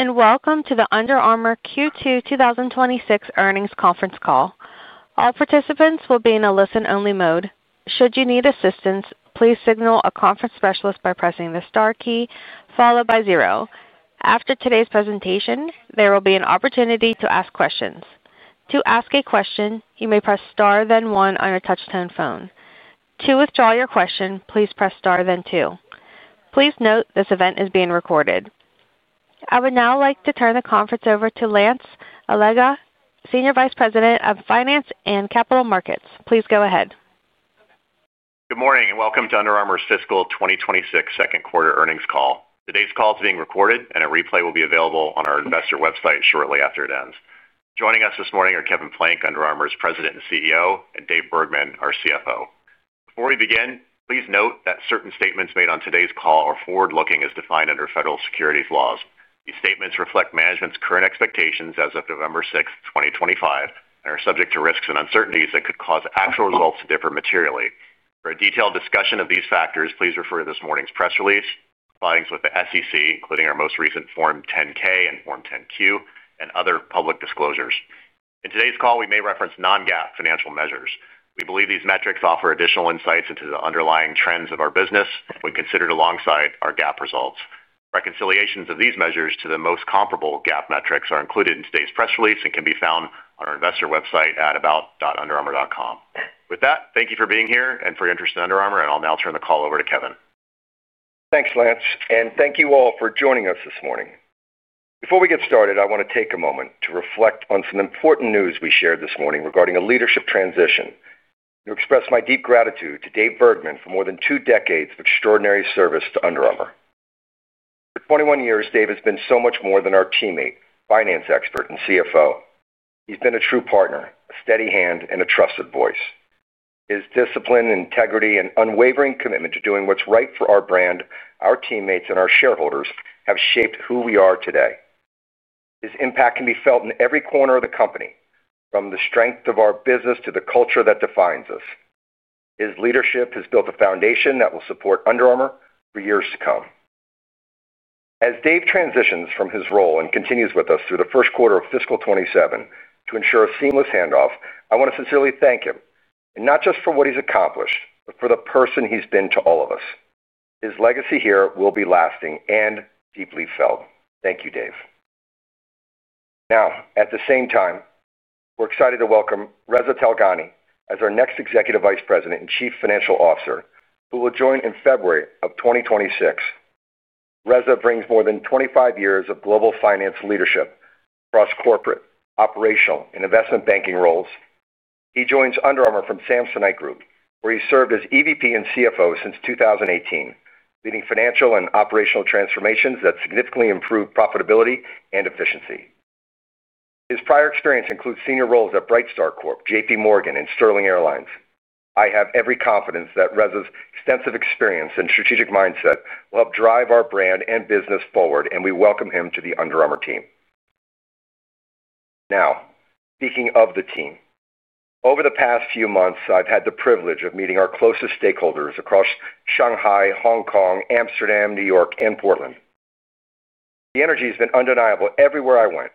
Today, and welcome to the Under Armour Q2 2026 earnings conference call. All participants will be in a listen-only mode. Should you need assistance, please signal a conference specialist by pressing the star key followed by zero. After today's presentation, there will be an opportunity to ask questions. To ask a question, you may press star then one on your touch-tone phone. To withdraw your question, please press star then two. Please note this event is being recorded. I would now like to turn the conference over to Lance Allega, Senior Vice President of Finance and Capital Markets. Please go ahead. Good morning and welcome to Under Armour's fiscal 2026 second quarter earnings call. Today's call is being recorded, and a replay will be available on our investor website shortly after it ends. Joining us this morning are Kevin Plank, Under Armour's President and CEO, and Dave Bergman, our CFO. Before we begin, please note that certain statements made on today's call are forward-looking, as defined under federal securities laws. These statements reflect management's current expectations as of November 6th, 2025, and are subject to risks and uncertainties that could cause actual results to differ materially. For a detailed discussion of these factors, please refer to this morning's press release, filings with the SEC, including our most recent Form 10-K and Form 10-Q, and other public disclosures. In today's call, we may reference non-GAAP financial measures. We believe these metrics offer additional insights into the underlying trends of our business when considered alongside our GAAP results. Reconciliations of these measures to the most comparable GAAP metrics are included in today's press release and can be found on our investor website at about.underarmour.com. With that, thank you for being here and for your interest in Under Armour, and I'll now turn the call over to Kevin. Thanks, Lance, and thank you all for joining us this morning. Before we get started, I want to take a moment to reflect on some important news we shared this morning regarding a leadership transition. I express my deep gratitude to Dave Bergman for more than two decades of extraordinary service to Under Armour. For 21 years, Dave has been so much more than our teammate, finance expert, and CFO. He's been a true partner, a steady hand, and a trusted voice. His discipline, integrity, and unwavering commitment to doing what's right for our brand, our teammates, and our shareholders have shaped who we are today. His impact can be felt in every corner of the company, from the strength of our business to the culture that defines us. His leadership has built a foundation that will support Under Armour for years to come. As Dave transitions from his role and continues with us through the first quarter of fiscal 2027 to ensure a seamless handoff, I want to sincerely thank him, not just for what he's accomplished, but for the person he's been to all of us. His legacy here will be lasting and deeply felt. Thank you, Dave. Now, at the same time, we're excited to welcome Reza Taghavi as our next Executive Vice President and Chief Financial Officer, who will join in February of 2026. Reza brings more than 25 years of global finance leadership across corporate, operational, and investment banking roles. He joins Under Armour from Samsonite Group, where he served as EVP and CFO since 2018, leading financial and operational transformations that significantly improved profitability and efficiency. His prior experience includes senior roles at BrightStar Corp, J.P. Morgan, and Sterling Airlines. I have every confidence that Reza's extensive experience and strategic mindset will help drive our brand and business forward, and we welcome him to the Under Armour team. Now, speaking of the team, over the past few months, I've had the privilege of meeting our closest stakeholders across Shanghai, Hong Kong, Amsterdam, New York, and Portland. The energy has been undeniable everywhere I went.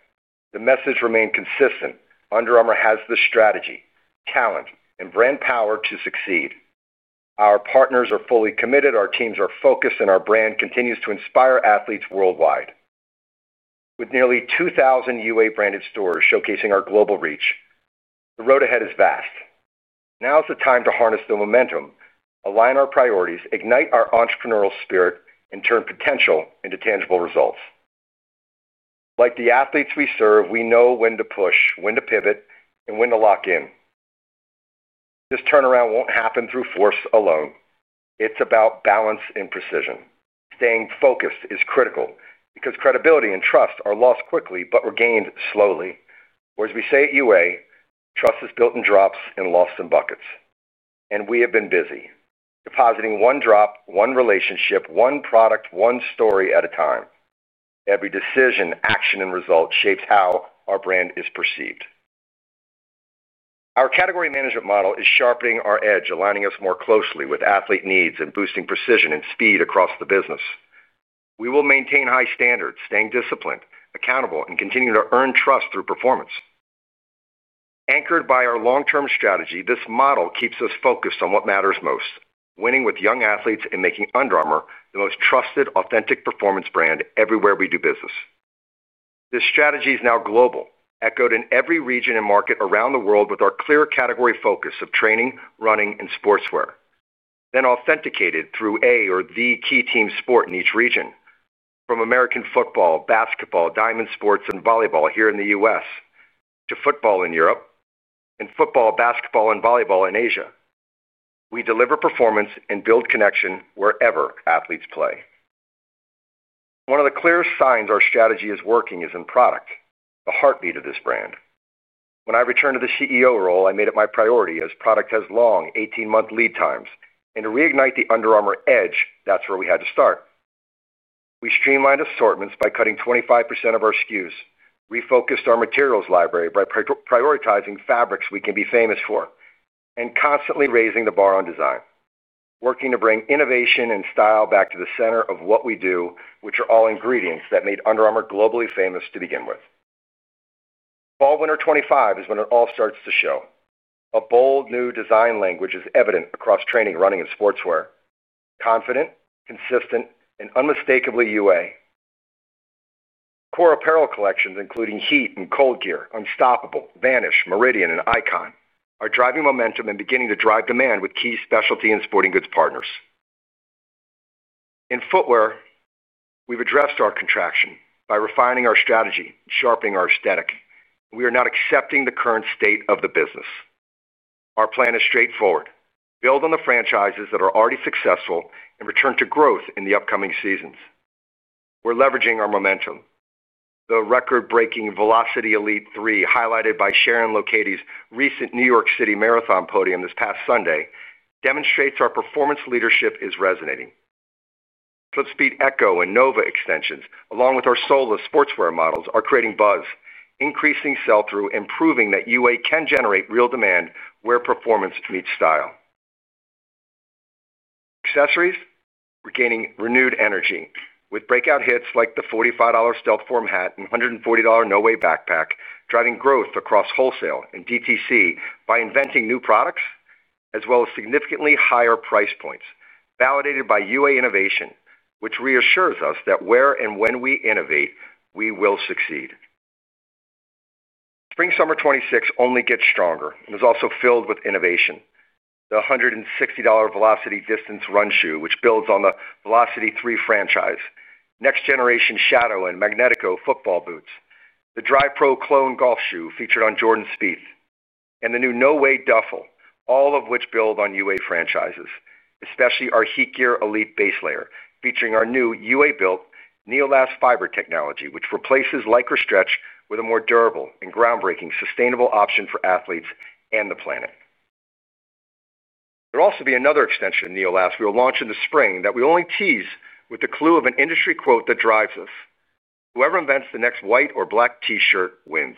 The message remained consistent: Under Armour has the strategy, talent, and brand power to succeed. Our partners are fully committed, our teams are focused, and our brand continues to inspire athletes worldwide. With nearly 2,000 UA-branded stores showcasing our global reach, the road ahead is vast. Now is the time to harness the momentum, align our priorities, ignite our entrepreneurial spirit, and turn potential into tangible results. Like the athletes we serve, we know when to push, when to pivot, and when to lock in. This turnaround will not happen through force alone. It is about balance and precision. Staying focused is critical because credibility and trust are lost quickly but regained slowly. As we say at UA, trust is built in drops and lost in buckets. We have been busy depositing one drop, one relationship, one product, one story at a time. Every decision, action, and result shapes how our brand is perceived. Our category management model is sharpening our edge, aligning us more closely with athlete needs and boosting precision and speed across the business. We will maintain high standards, staying disciplined, accountable, and continue to earn trust through performance. Anchored by our long-term strategy, this model keeps us focused on what matters most: winning with young athletes and making Under Armour the most trusted, authentic performance brand everywhere we do business. This strategy is now global, echoed in every region and market around the world with our clear category focus of training, running, and sportswear, then authenticated through a or the key team sport in each region. From American football, basketball, diamond sports, and volleyball here in the U.S. to football in Europe and football, basketball, and volleyball in Asia, we deliver performance and build connection wherever athletes play. One of the clearest signs our strategy is working is in product, the heartbeat of this brand. When I returned to the CEO role, I made it my priority as product has long 18-month lead times. To reignite the Under Armour edge, that's where we had to start. We streamlined assortments by cutting 25% of our SKUs, refocused our materials library by prioritizing fabrics we can be famous for, and constantly raising the bar on design, working to bring innovation and style back to the center of what we do, which are all ingredients that made Under Armour globally famous to begin with. Fall/Winter 2025 is when it all starts to show. A bold new design language is evident across training, running, and sportswear: confident, consistent, and unmistakably UA. Core apparel collections, including HeatGear and ColdGear, Unstoppable, Vanish, Meridian, and Icon, are driving momentum and beginning to drive demand with key specialty and sporting goods partners. In footwear, we've addressed our contraction by refining our strategy and sharpening our aesthetic. We are not accepting the current state of the business. Our plan is straightforward: build on the franchises that are already successful and return to growth in the upcoming seasons. We're leveraging our momentum. The record-breaking Velociti Elite 3, highlighted by Sharon Lokedi's recent New York City Marathon podium this past Sunday, demonstrates our performance leadership is resonating. Flip Speed Echo and Nova extensions, along with our Sola sportswear models, are creating buzz, increasing sell-through, and proving that UA can generate real demand where performance meets style. Accessories? We're gaining renewed energy with breakout hits like the $45 Stealth Form Hat and $140 No-Weight Backpack, driving growth across wholesale and DTC by inventing new products as well as significantly higher price points, validated by UA innovation, which reassures us that where and when we innovate, we will succeed. Spring/Summer 2026 only gets stronger and is also filled with innovation: the $160 Velociti Distance Run shoe, which builds on the Velociti 3 franchise, Next Generation Shadow and Magnetico football boots, the Drive Pro Clone golf shoe featured on Jordan Spieth, and the new No Weight Duffel, all of which build on UA franchises, especially our HeatGear Elite Base Layer, featuring our new UA-built NEOLAST fiber technology, which replaces Lycra stretch with a more durable and groundbreaking sustainable option for athletes and the planet. There'll also be another extension of NEOLAST we'll launch in the spring that we only tease with the clue of an industry quote that drives us: "Whoever invents the next white or black T-shirt wins,"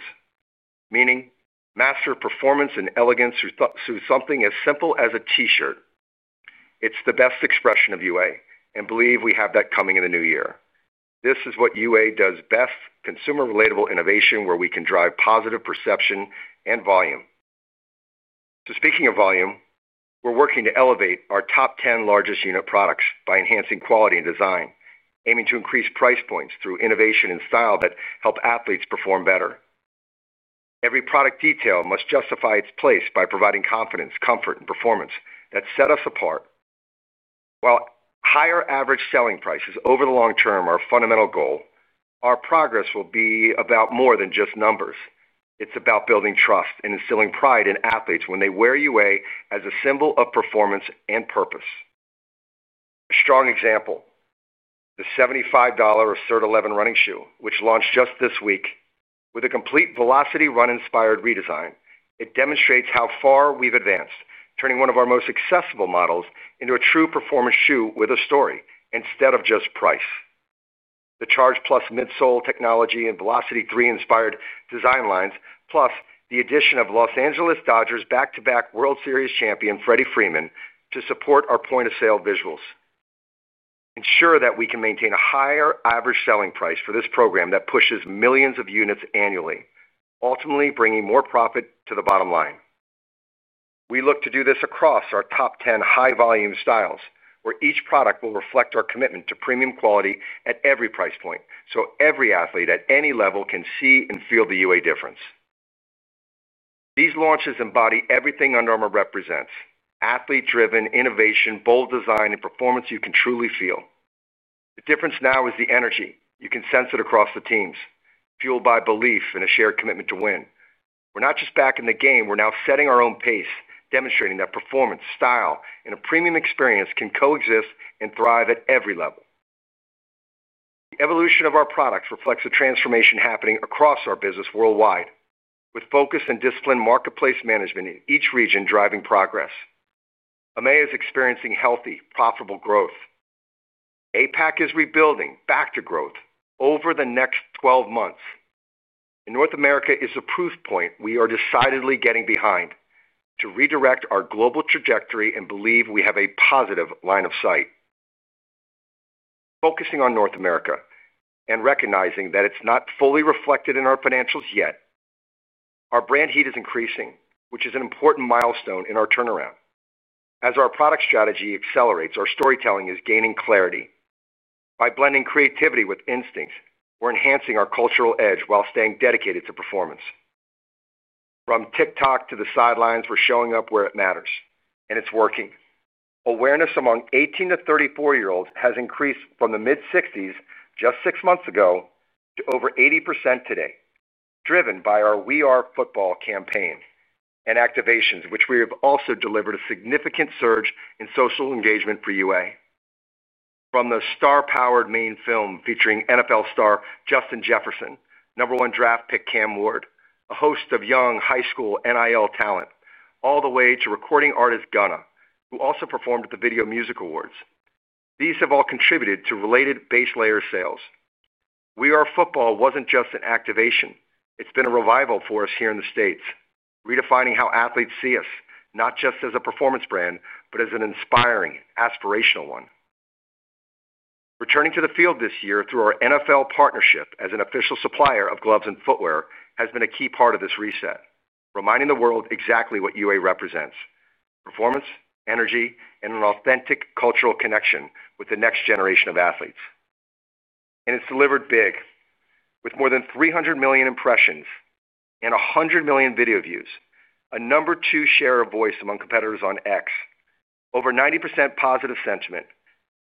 meaning master performance and elegance through something as simple as a T-shirt. It's the best expression of UA, and I believe we have that coming in the new year. This is what UA does best: consumer-relatable innovation where we can drive positive perception and volume. Speaking of volume, we're working to elevate our top 10 largest unit products by enhancing quality and design, aiming to increase price points through innovation and style that help athletes perform better. Every product detail must justify its place by providing confidence, comfort, and performance that set us apart. While higher average selling prices over the long term are a fundamental goal, our progress will be about more than just numbers. It's about building trust and instilling pride in athletes when they wear UA as a symbol of performance and purpose. A strong example. The $75 Assert 11 running shoe, which launched just this week with a complete Velociti Run-inspired redesign, demonstrates how far we've advanced, turning one of our most accessible models into a true performance shoe with a story instead of just price. The Charged+ midsole technology and Velociti 3-inspired design lines, plus the addition of Los Angeles Dodgers' back-to-back World Series champion, Freddie Freeman, to support our point-of-sale visuals, ensure that we can maintain a higher average selling price for this program that pushes millions of units annually, ultimately bringing more profit to the bottom line. We look to do this across our top 10 high-volume styles, where each product will reflect our commitment to premium quality at every price point, so every athlete at any level can see and feel the UA difference. These launches embody everything Under Armour represents: athlete-driven innovation, bold design, and performance you can truly feel. The difference now is the energy. You can sense it across the teams, fueled by belief and a shared commitment to win. We're not just back in the game. We're now setting our own pace, demonstrating that performance, style, and a premium experience can coexist and thrive at every level. The evolution of our products reflects the transformation happening across our business worldwide, with focus and disciplined marketplace management in each region driving progress. EMEA is experiencing healthy, profitable growth. APAC is rebuilding back to growth over the next 12 months. North America is the proof point we are decidedly getting behind to redirect our global trajectory and believe we have a positive line of sight. Focusing on North America and recognizing that it's not fully reflected in our financials yet. Our brand heat is increasing, which is an important milestone in our turnaround. As our product strategy accelerates, our storytelling is gaining clarity. By blending creativity with instincts, we're enhancing our cultural edge while staying dedicated to performance. From TikTok to the sidelines, we're showing up where it matters, and it's working. Awareness among 18- to 34-year-olds has increased from the mid-60s just six months ago to over 80% today, driven by our We Are Football campaign and activations, which have also delivered a significant surge in social engagement for UA. From the star-powered main film featuring NFL star Justin Jefferson, number one draft pick Cam Ward, a host of young high school NIL talent, all the way to recording artist Gunna, who also performed at the Video Music Awards, these have all contributed to related base layer sales. We Are Football wasn't just an activation. It's been a revival for us here in the States, redefining how athletes see us, not just as a performance brand, but as an inspiring, aspirational one. Returning to the field this year through our NFL partnership as an official supplier of gloves and footwear has been a key part of this reset, reminding the world exactly what UA represents: performance, energy, and an authentic cultural connection with the next generation of athletes. It's delivered big. With more than 300 million impressions and 100 million video views, a number two share of voice among competitors on X, over 90% positive sentiment,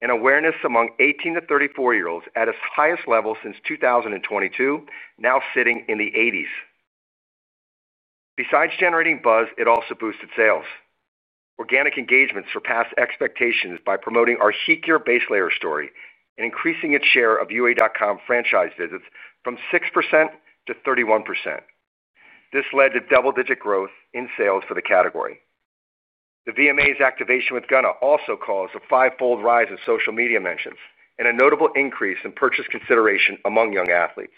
and awareness among 18- to 34-year-olds at its highest level since 2022, now sitting in the 80s. Besides generating buzz, it also boosted sales. Organic engagement surpassed expectations by promoting our HeatGear Baselayer story and increasing its share of UA.com franchise visits from 6% to 31%. This led to double-digit growth in sales for the category. The VMAs activation with Gunna also caused a five-fold rise in social media mentions and a notable increase in purchase consideration among young athletes.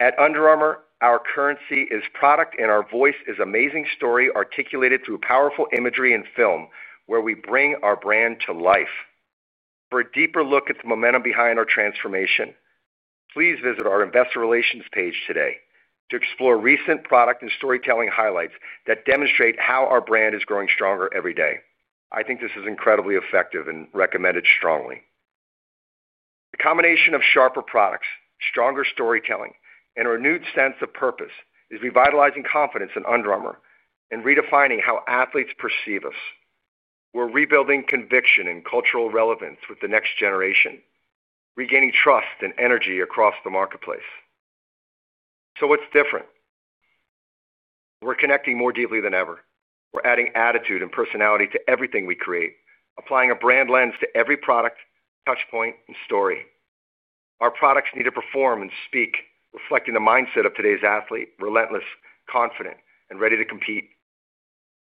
At Under Armour, our currency is product, and our voice is amazing story articulated through powerful imagery and film where we bring our brand to life. For a deeper look at the momentum behind our transformation, please visit our Investor Relations page today to explore recent product and storytelling highlights that demonstrate how our brand is growing stronger every day. I think this is incredibly effective and recommended strongly. The combination of sharper products, stronger storytelling, and a renewed sense of purpose is revitalizing confidence in Under Armour and redefining how athletes perceive us. We're rebuilding conviction and cultural relevance with the next generation, regaining trust and energy across the marketplace. What's different? We're connecting more deeply than ever. We're adding attitude and personality to everything we create, applying a brand lens to every product, touchpoint, and story. Our products need to perform and speak, reflecting the mindset of today's athlete: relentless, confident, and ready to compete.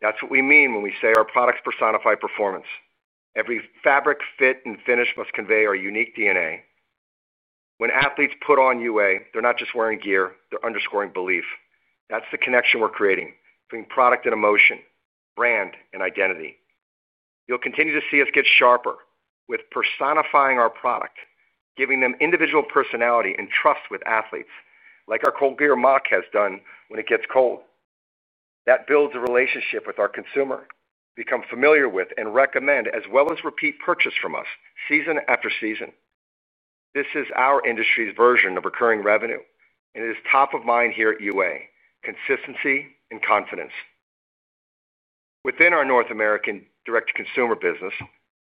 That's what we mean when we say our products personify performance. Every fabric, fit, and finish must convey our unique DNA. When athletes put on UA, they're not just wearing gear. They're underscoring belief. That's the connection we're creating between product and emotion, brand and identity. You'll continue to see us get sharper with personifying our product, giving them individual personality and trust with athletes, like our ColdGear mock has done when it gets cold. That builds a relationship with our consumer, becomes familiar with, and recommends as well as repeats purchase from us season after season. This is our industry's version of recurring revenue, and it is top of mind here at UA: consistency and confidence. Within our North American direct-to-consumer business,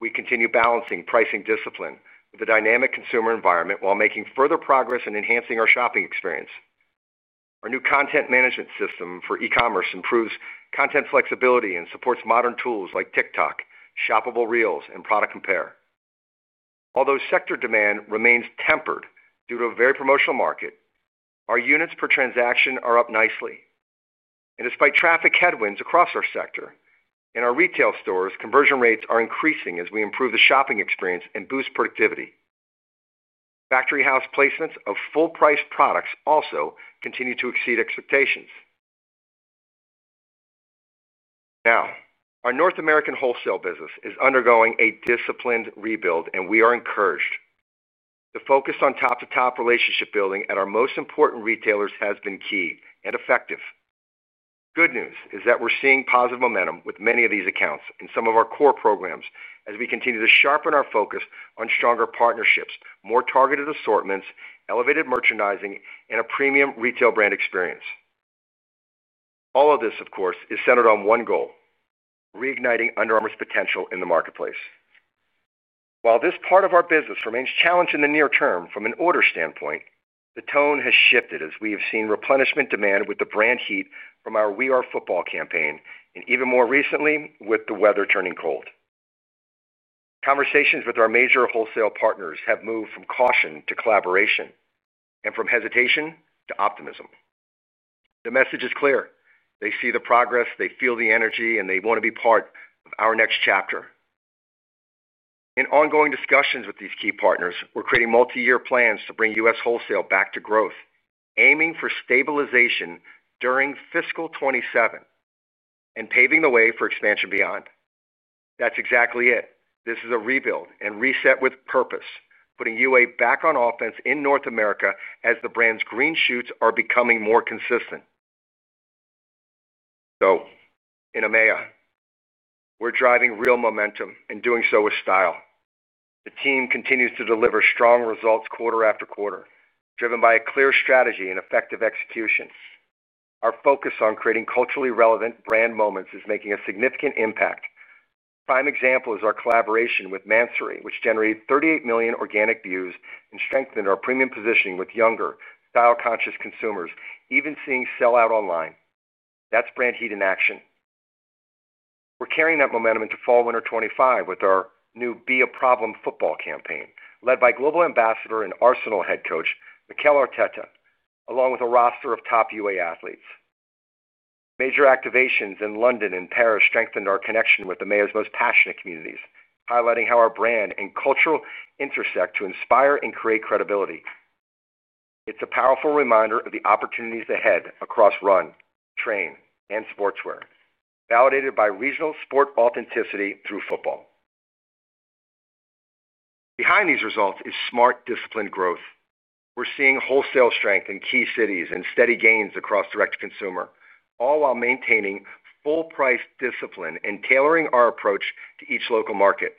we continue balancing pricing discipline with a dynamic consumer environment while making further progress and enhancing our shopping experience. Our new content management system for e-commerce improves content flexibility and supports modern tools like TikTok, shoppable reels, and product compare. Although sector demand remains tempered due to a very promotional market, our units per transaction are up nicely. Despite traffic headwinds across our sector and our retail stores, conversion rates are increasing as we improve the shopping experience and boost productivity. Factory house placements of full-price products also continue to exceed expectations. Now, our North American wholesale business is undergoing a disciplined rebuild, and we are encouraged. The focus on top-to-top relationship building at our most important retailers has been key and effective. Good news is that we're seeing positive momentum with many of these accounts and some of our core programs as we continue to sharpen our focus on stronger partnerships, more targeted assortments, elevated merchandising, and a premium retail brand experience. All of this, of course, is centered on one goal: reigniting Under Armour's potential in the marketplace. While this part of our business remains challenged in the near term from an order standpoint, the tone has shifted as we have seen replenishment demand with the brand heat from our We Are Football campaign and even more recently with the weather turning cold. Conversations with our major wholesale partners have moved from caution to collaboration and from hesitation to optimism. The message is clear. They see the progress. They feel the energy, and they want to be part of our next chapter. In ongoing discussions with these key partners, we're creating multi-year plans to bring US wholesale back to growth, aiming for stabilization during fiscal 2027. Paving the way for expansion beyond. That's exactly it. This is a rebuild and reset with purpose, putting UA back on offense in North America as the brand's green shoots are becoming more consistent. In EMEA, we're driving real momentum and doing so with style. The team continues to deliver strong results quarter after quarter, driven by a clear strategy and effective execution. Our focus on creating culturally relevant brand moments is making a significant impact. A prime example is our collaboration with Mansory, which generated 38 million organic views and strengthened our premium positioning with younger, style-conscious consumers even seeing sell-out online. That's brand heat in action. We're carrying that momentum into fall/winter 2025 with our new Be The Problem Football campaign, led by global ambassador and Arsenal head coach Mikel Arteta, along with a roster of top UA athletes. Major activations in London and Paris strengthened our connection with EMEA's most passionate communities, highlighting how our brand and culture intersect to inspire and create credibility. It's a powerful reminder of the opportunities ahead across run, train, and sportswear, validated by regional sport authenticity through football. Behind these results is smart, disciplined growth. We're seeing wholesale strength in key cities and steady gains across direct-to-consumer, all while maintaining full-price discipline and tailoring our approach to each local market.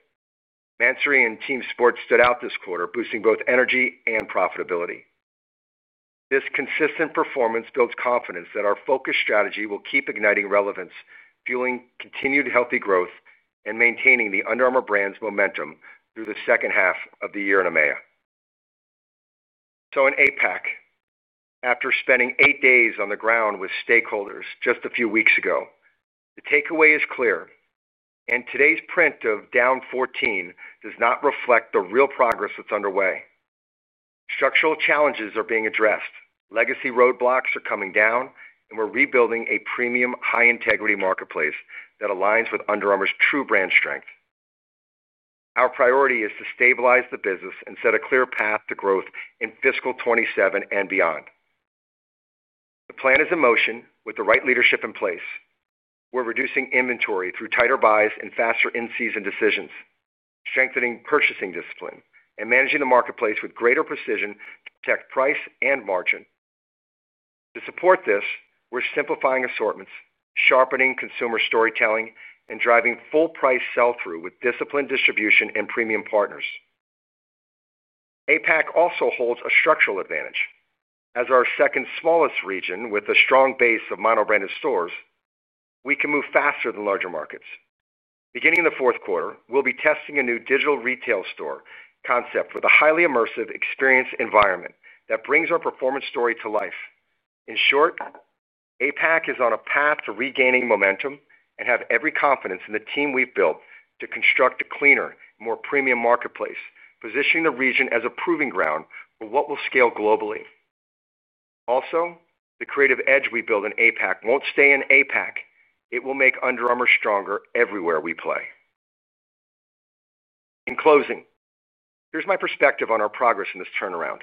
Mansory and Team Sports stood out this quarter, boosting both energy and profitability. This consistent performance builds confidence that our focused strategy will keep igniting relevance, fueling continued healthy growth, and maintaining the Under Armour brand's momentum through the second half of the year in EMEA. In APAC, after spending eight days on the ground with stakeholders just a few weeks ago, the takeaway is clear, and today's print of down 14% does not reflect the real progress that's underway. Structural challenges are being addressed. Legacy roadblocks are coming down, and we're rebuilding a premium, high-integrity marketplace that aligns with Under Armour's true brand strength. Our priority is to stabilize the business and set a clear path to growth in fiscal 2027 and beyond. The plan is in motion with the right leadership in place. We're reducing inventory through tighter buys and faster in-season decisions, strengthening purchasing discipline, and managing the marketplace with greater precision to protect price and margin. To support this, we're simplifying assortments, sharpening consumer storytelling, and driving full-price sell-through with disciplined distribution and premium partners. APAC also holds a structural advantage. As our second smallest region with a strong base of mono-branded stores, we can move faster than larger markets. Beginning in the fourth quarter, we'll be testing a new digital retail store concept with a highly immersive experience environment that brings our performance story to life. In short, APAC is on a path to regaining momentum and I have every confidence in the team we've built to construct a cleaner, more premium marketplace, positioning the region as a proving ground for what will scale globally. Also, the creative edge we build in APAC won't stay in APAC. It will make Under Armour stronger everywhere we play. In closing, here's my perspective on our progress in this turnaround.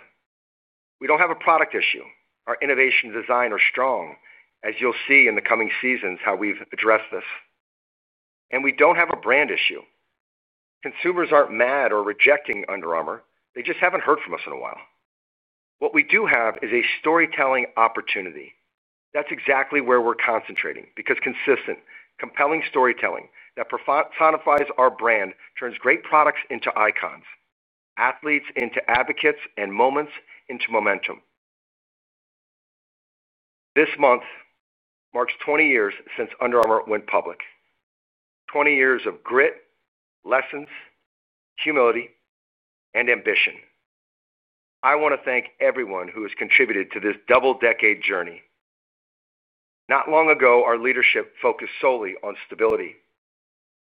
We don't have a product issue. Our innovation design is strong, as you'll see in the coming seasons how we've addressed this. We don't have a brand issue. Consumers aren't mad or rejecting Under Armour. They just haven't heard from us in a while. What we do have is a storytelling opportunity. That's exactly where we're concentrating because consistent, compelling storytelling that personifies our brand turns great products into icons, athletes into advocates, and moments into momentum. This month marks 20 years since Under Armour went public. Twenty years of grit, lessons, humility, and ambition. I want to thank everyone who has contributed to this double-decade journey. Not long ago, our leadership focused solely on stability.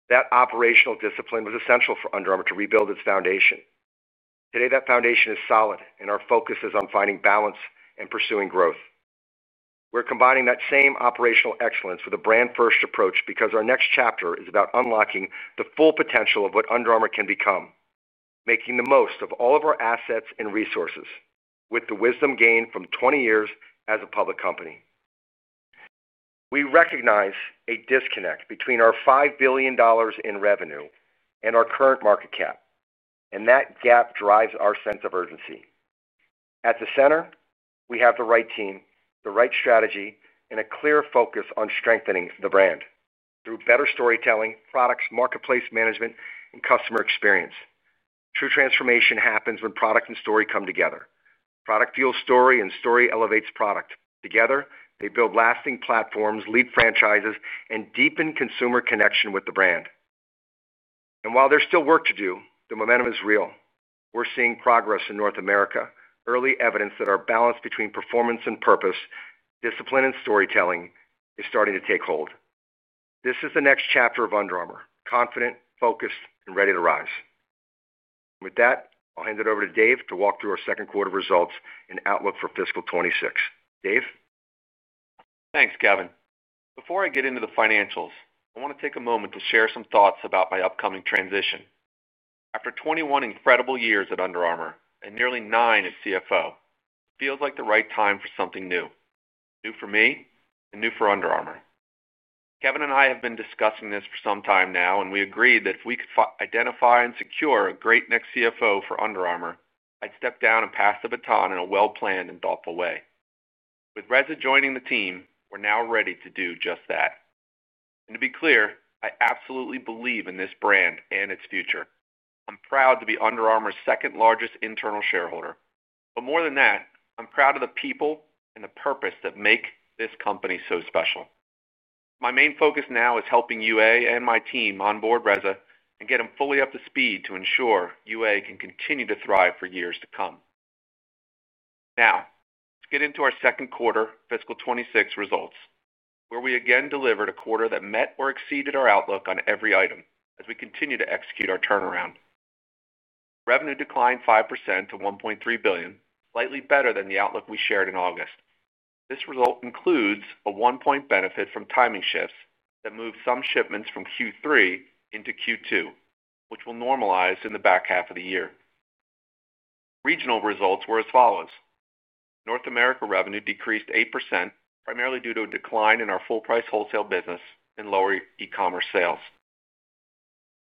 That operational discipline was essential for Under Armour to rebuild its foundation. Today, that foundation is solid, and our focus is on finding balance and pursuing growth. We're combining that same operational excellence with a brand-first approach because our next chapter is about unlocking the full potential of what Under Armour can become, making the most of all of our assets and resources with the wisdom gained from 20 years as a public company. We recognize a disconnect between our $5 billion in revenue and our current market cap, and that gap drives our sense of urgency. At the center, we have the right team, the right strategy, and a clear focus on strengthening the brand through better storytelling, products, marketplace management, and customer experience. True transformation happens when product and story come together. Product fuels story, and story elevates product. Together, they build lasting platforms, lead franchises, and deepen consumer connection with the brand. While there's still work to do, the momentum is real. We're seeing progress in North America, early evidence that our balance between performance and purpose, discipline, and storytelling is starting to take hold. This is the next chapter of Under Armour: confident, focused, and ready to rise. With that, I'll hand it over to Dave to walk through our second quarter results and outlook for fiscal 2026. Dave? Thanks, Kevin. Before I get into the financials, I want to take a moment to share some thoughts about my upcoming transition. After 21 incredible years at Under Armour and nearly nine at CFO, it feels like the right time for something new, new for me and new for Under Armour. Kevin and I have been discussing this for some time now, and we agreed that if we could identify and secure a great next CFO for Under Armour, I'd step down and pass the baton in a well-planned and thoughtful way. With Reza joining the team, we're now ready to do just that. To be clear, I absolutely believe in this brand and its future. I'm proud to be Under Armour's second-largest internal shareholder. More than that, I'm proud of the people and the purpose that make this company so special. My main focus now is helping UA and my team onboard Reza and get him fully up to speed to ensure UA can continue to thrive for years to come. Now, let's get into our second quarter, fiscal 2026 results, where we again delivered a quarter that met or exceeded our outlook on every item as we continue to execute our turnaround. Revenue declined 5% to $1.3 billion, slightly better than the outlook we shared in August. This result includes a one-point benefit from timing shifts that moved some shipments from Q3 into Q2, which will normalize in the back half of the year. Regional results were as follows. North America revenue decreased 8%, primarily due to a decline in our full-price wholesale business and lower e-commerce sales.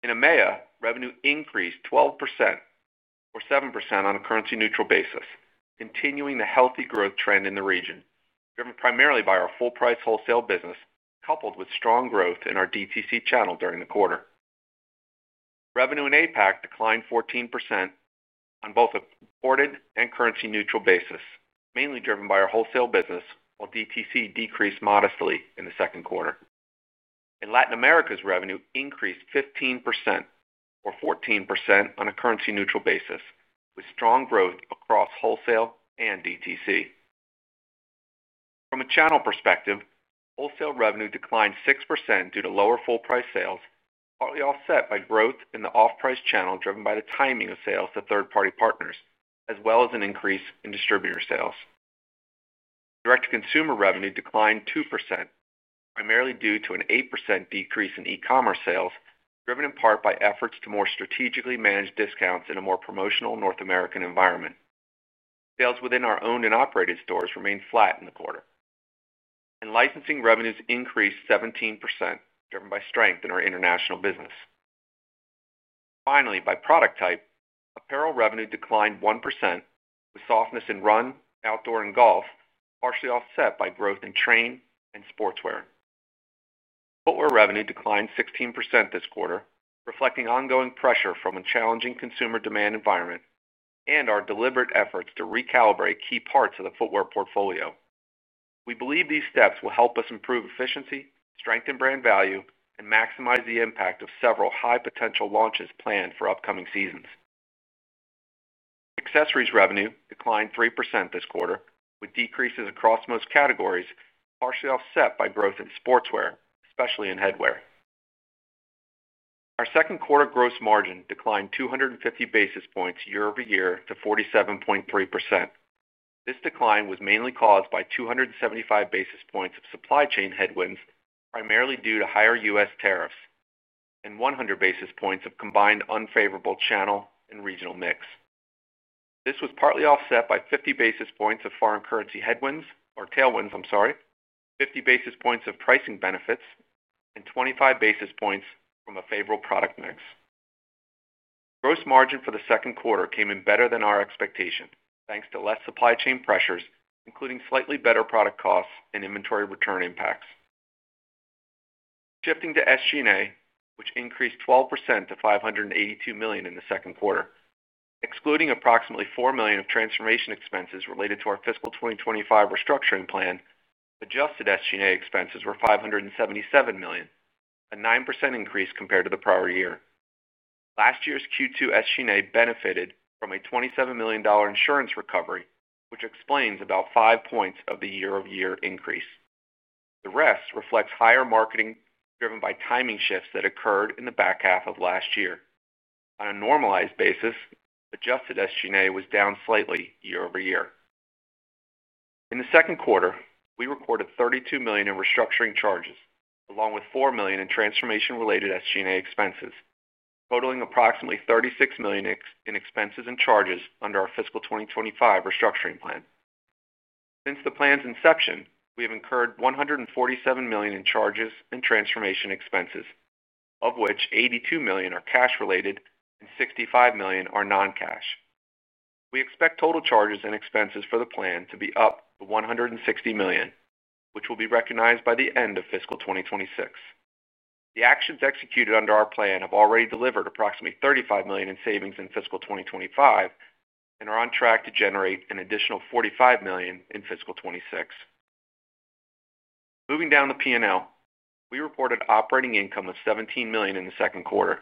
In EMEA, revenue increased 12%, or 7% on a currency-neutral basis, continuing the healthy growth trend in the region, driven primarily by our full-price wholesale business, coupled with strong growth in our DTC channel during the quarter. Revenue in APAC declined 14% on both a reported and currency-neutral basis, mainly driven by our wholesale business, while DTC decreased modestly in the second quarter. In Latin America, revenue increased 15%, or 14% on a currency-neutral basis, with strong growth across wholesale and DTC. From a channel perspective, wholesale revenue declined 6% due to lower full-price sales, partly offset by growth in the off-price channel driven by the timing of sales to third-party partners, as well as an increase in distributor sales. Direct-to-consumer revenue declined 2%, primarily due to an 8% decrease in e-commerce sales, driven in part by efforts to more strategically manage discounts in a more promotional North American environment. Sales within our owned and operated stores remained flat in the quarter. Licensing revenues increased 17%, driven by strength in our international business. Finally, by product type, apparel revenue declined 1%, with softness in run, outdoor, and golf, partially offset by growth in train and sportswear. Footwear revenue declined 16% this quarter, reflecting ongoing pressure from a challenging consumer demand environment and our deliberate efforts to recalibrate key parts of the footwear portfolio. We believe these steps will help us improve efficiency, strengthen brand value, and maximize the impact of several high-potential launches planned for upcoming seasons. Accessories revenue declined 3% this quarter, with decreases across most categories, partially offset by growth in sportswear, especially in headwear. Our second quarter gross margin declined 250 basis points year-over-year to 47.3%. This decline was mainly caused by 275 basis points of supply chain headwinds, primarily due to higher US tariffs, and 100 basis points of combined unfavorable channel and regional mix. This was partly offset by 50 basis points of foreign currency headwinds or tailwinds, I'm sorry, 50 basis points of pricing benefits, and 25 basis points from a favorable product mix. Gross margin for the second quarter came in better than our expectation, thanks to less supply chain pressures, including slightly better product costs and inventory return impacts. Shifting to SG&A, which increased 12% to $582 million in the second quarter, excluding approximately $4 million of transformation expenses related to our fiscal 2025 restructuring plan, adjusted SG&A expenses were $577 million, a 9% increase compared to the prior year. Last year's Q2 SG&A benefited from a $27 million insurance recovery, which explains about 5 percentage points of the year-over-year increase. The rest reflects higher marketing driven by timing shifts that occurred in the back half of last year. On a normalized basis, adjusted SG&A was down slightly year-over-year. In the second quarter, we recorded $32 million in restructuring charges, along with $4 million in transformation-related SG&A expenses, totaling approximately $36 million in expenses and charges under our fiscal 2025 restructuring plan. Since the plan's inception, we have incurred $147 million in charges and transformation expenses, of which $82 million are cash-related and $65 million are non-cash. We expect total charges and expenses for the plan to be up to $160 million, which will be recognized by the end of fiscal 2026. The actions executed under our plan have already delivered approximately $35 million in savings in fiscal 2025 and are on track to generate an additional $45 million in fiscal 2026. Moving down the P&L, we reported operating income of $17 million in the second quarter.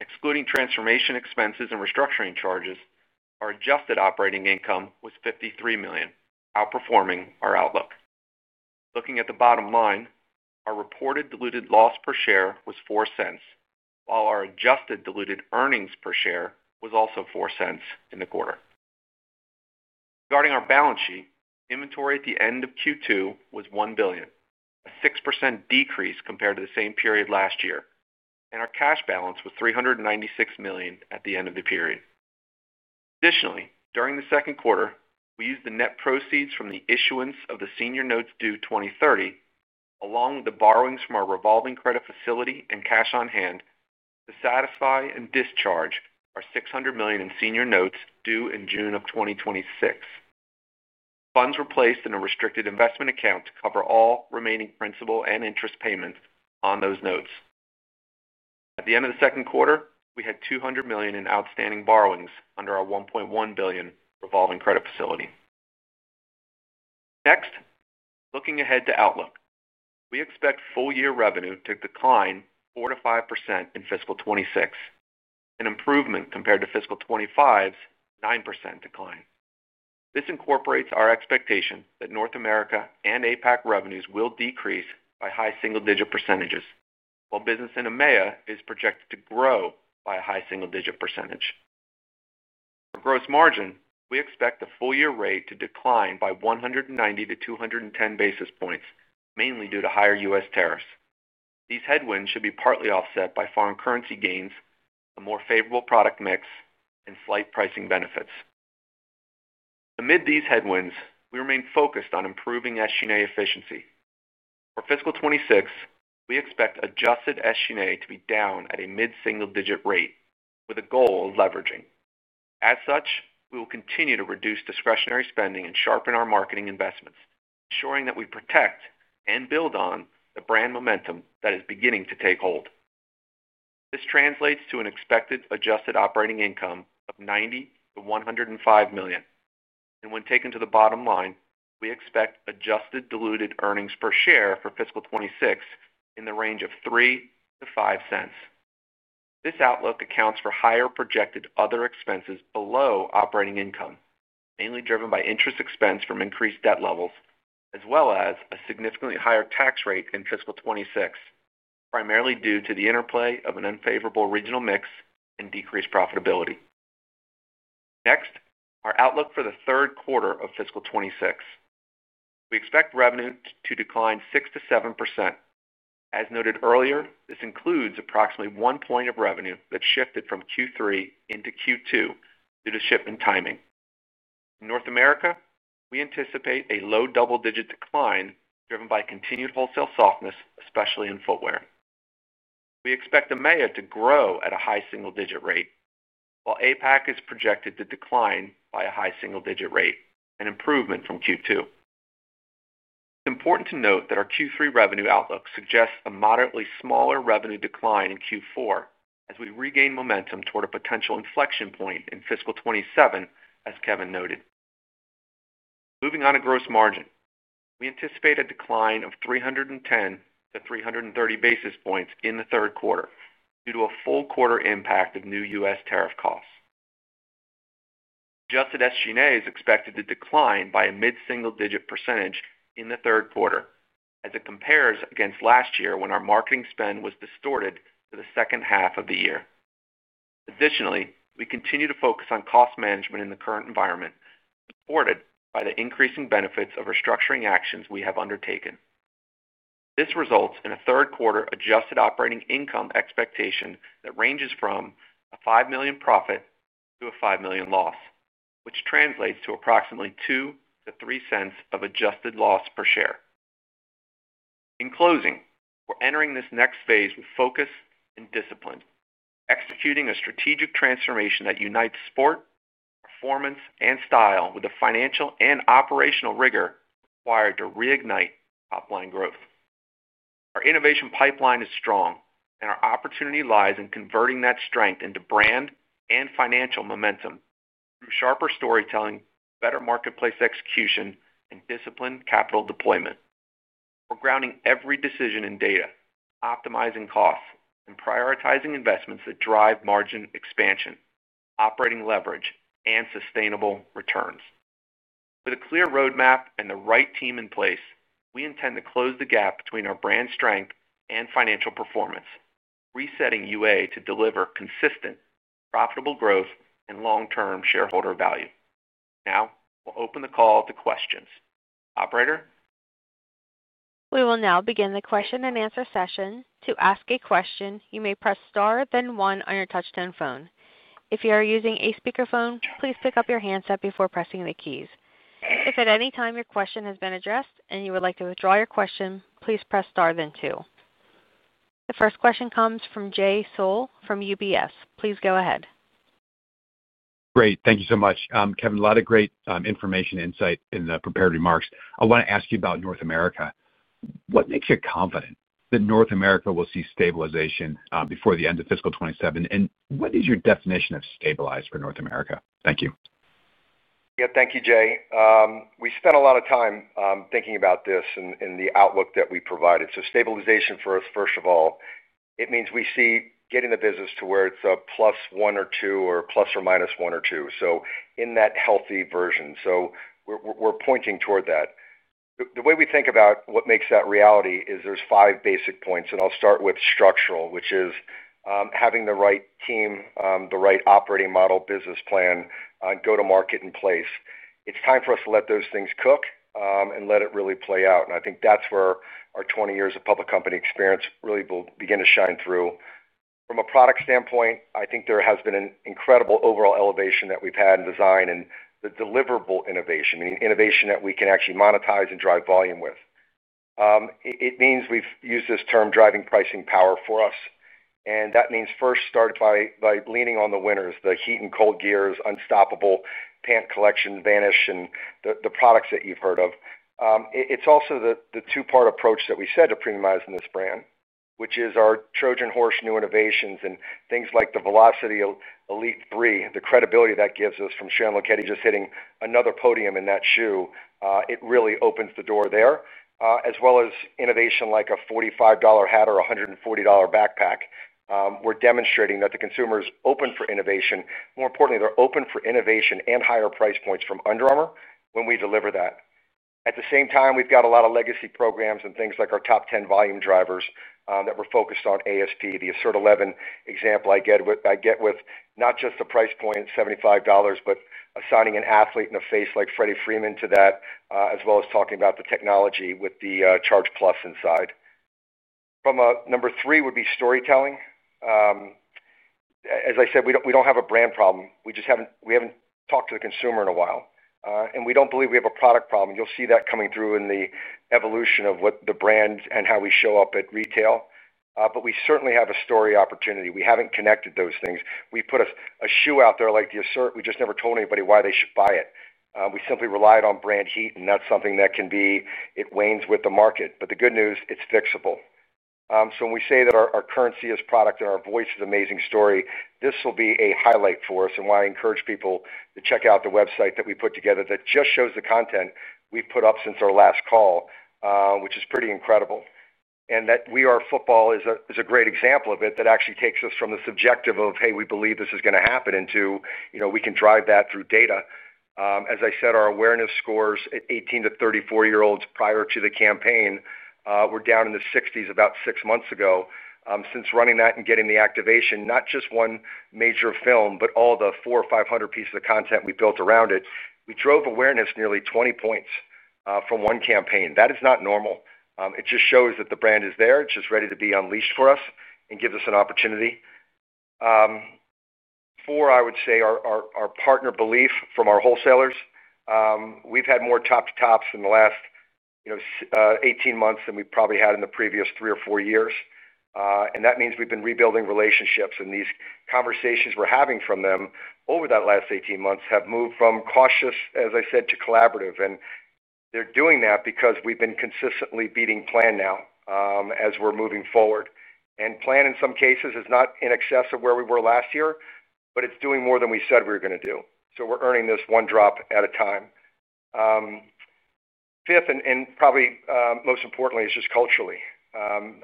Excluding transformation expenses and restructuring charges, our adjusted operating income was $53 million, outperforming our outlook. Looking at the bottom line, our reported diluted loss per share was $0.04, while our adjusted diluted earnings per share was also $0.04 in the quarter. Regarding our balance sheet, inventory at the end of Q2 was $1 billion, a 6% decrease compared to the same period last year, and our cash balance was $396 million at the end of the period. Additionally, during the second quarter, we used the net proceeds from the issuance of the senior notes due 2030, along with the borrowings from our revolving credit facility and cash on hand, to satisfy and discharge our $600 million in senior notes due in June of 2026. Funds were placed in a restricted investment account to cover all remaining principal and interest payments on those notes. At the end of the second quarter, we had $200 million in outstanding borrowings under our $1.1 billion revolving credit facility. Next, looking ahead to outlook, we expect full-year revenue to decline 4-5% in fiscal 2026, an improvement compared to fiscal 2025's 9% decline. This incorporates our expectation that North America and APAC revenues will decrease by high single-digit percentages, while business in EMEA is projected to grow by a high single-digit percentage. For gross margin, we expect the full-year rate to decline by 190 to 210 basis points, mainly due to higher US tariffs. These headwinds should be partly offset by foreign currency gains, a more favorable product mix, and slight pricing benefits. Amid these headwinds, we remain focused on improving SG&A efficiency. For fiscal 2026, we expect adjusted SG&A to be down at a mid-single-digit rate, with a goal of leveraging. As such, we will continue to reduce discretionary spending and sharpen our marketing investments, ensuring that we protect and build on the brand momentum that is beginning to take hold. This translates to an expected adjusted operating income of $90 million-$105 million. When taken to the bottom line, we expect adjusted diluted earnings per share for fiscal 2026 in the range of $0.03-$0.05. This outlook accounts for higher projected other expenses below operating income, mainly driven by interest expense from increased debt levels, as well as a significantly higher tax rate in fiscal 2026, primarily due to the interplay of an unfavorable regional mix and decreased profitability. Next, our outlook for the third quarter of fiscal 2026. We expect revenue to decline 6-7%. As noted earlier, this includes approximately 1 point of revenue that shifted from Q3 into Q2 due to shipment timing. In North America, we anticipate a low double-digit decline driven by continued wholesale softness, especially in footwear. We expect EMEA to grow at a high single-digit rate, while APAC is projected to decline by a high single-digit rate and improvement from Q2. It's important to note that our Q3 revenue outlook suggests a moderately smaller revenue decline in Q4 as we regain momentum toward a potential inflection point in fiscal 2027, as Kevin noted. Moving on to gross margin, we anticipate a decline of 310-330 basis points in the third quarter due to a full quarter impact of new US tariff costs. Adjusted SG&A is expected to decline by a mid-single-digit % in the third quarter as it compares against last year when our marketing spend was distorted to the second half of the year. Additionally, we continue to focus on cost management in the current environment, supported by the increasing benefits of restructuring actions we have undertaken. This results in a third quarter adjusted operating income expectation that ranges from a $5 million profit to a $5 million loss, which translates to approximately $0.02-$0.03 of adjusted loss per share. In closing, we're entering this next phase with focus and discipline, executing a strategic transformation that unites sport, performance, and style with the financial and operational rigor required to reignite top-line growth. Our innovation pipeline is strong, and our opportunity lies in converting that strength into brand and financial momentum through sharper storytelling, better marketplace execution, and disciplined capital deployment. We're grounding every decision in data, optimizing costs, and prioritizing investments that drive margin expansion, operating leverage, and sustainable returns. With a clear roadmap and the right team in place, we intend to close the gap between our brand strength and financial performance, resetting UA to deliver consistent, profitable growth and long-term shareholder value. Now, we'll open the call to questions. Operator. We will now begin the question-and-answer session. To ask a question, you may press star, then 1 on your touch-tone phone. If you are using a speakerphone, please pick up your handset before pressing the keys. If at any time your question has been addressed and you would like to withdraw your question, please press star, then 2. The first question comes from Jay Sole from UBS. Please go ahead. Great. Thank you so much, Kevin. A lot of great information and insight in the prepared remarks. I want to ask you about North America. What makes you confident that North America will see stabilization before the end of fiscal 2027? And what is your definition of stabilized for North America? Thank you. Yeah. Thank you, Jay. We spent a lot of time thinking about this and the outlook that we provided. Stabilization for us, first of all, it means we see getting the business to where it's a plus one or two or plus or minus one or two, so in that healthy version. We're pointing toward that. The way we think about what makes that reality is there's five basic points, and I'll start with structural, which is having the right team, the right operating model, business plan, and go-to-market in place. It's time for us to let those things cook and let it really play out. I think that's where our 20 years of public company experience really will begin to shine through. From a product standpoint, I think there has been an incredible overall elevation that we've had in design and the deliverable innovation, meaning innovation that we can actually monetize and drive volume with. It means we've used this term driving pricing power for us. That means first start by leaning on the winners, the HeatGear and ColdGear, Unstoppable pant collection, Vanish, and the products that you've heard of. It's also the two-part approach that we said to premiumize this brand, which is our Trojan horse new innovations and things like the Velociti Elite 3, the credibility that gives us from Sharon Lokedi just hitting another podium in that shoe. It really opens the door there, as well as innovation like a $45 hat or a $140 backpack. We're demonstrating that the consumer is open for innovation. More importantly, they're open for innovation and higher price points from Under Armour when we deliver that. At the same time, we've got a lot of legacy programs and things like our top 10 volume drivers that we're focused on ASP. The Assert 11 example I get with not just the price point at $75, but assigning an athlete and a face like Freddie Freeman to that, as well as talking about the technology with the Charged+ inside. Number three would be storytelling. As I said, we do not have a brand problem. We have not talked to the consumer in a while, and we do not believe we have a product problem. You will see that coming through in the evolution of what the brand and how we show up at retail. We certainly have a story opportunity. We have not connected those things. We put a shoe out there like the Assert. We just never told anybody why they should buy it. We simply relied on brand heat, and that is something that can be, it wanes with the market. The good news, it is fixable. When we say that our currency is product and our voice is amazing story, this will be a highlight for us. I encourage people to check out the website that we put together that just shows the content we've put up since our last call, which is pretty incredible, and that We Are Football is a great example of it that actually takes us from the subjective of, "Hey, we believe this is going to happen," into we can drive that through data. As I said, our awareness scores at 18 to 34-year-olds prior to the campaign were down in the 60s about six months ago. Since running that and getting the activation, not just one major film, but all the 400-500 pieces of content we built around it, we drove awareness nearly 20 points from one campaign. That is not normal. It just shows that the brand is there. It's just ready to be unleashed for us and gives us an opportunity. Four, I would say, our partner belief from our wholesalers. We've had more top-to-tops in the last 18 months than we probably had in the previous three or four years. That means we've been rebuilding relationships. These conversations we're having from them over that last 18 months have moved from cautious, as I said, to collaborative. They're doing that because we've been consistently beating plan now as we're moving forward. Plan, in some cases, is not in excess of where we were last year, but it's doing more than we said we were going to do. We're earning this one drop at a time. Fifth, and probably most importantly, it's just culturally.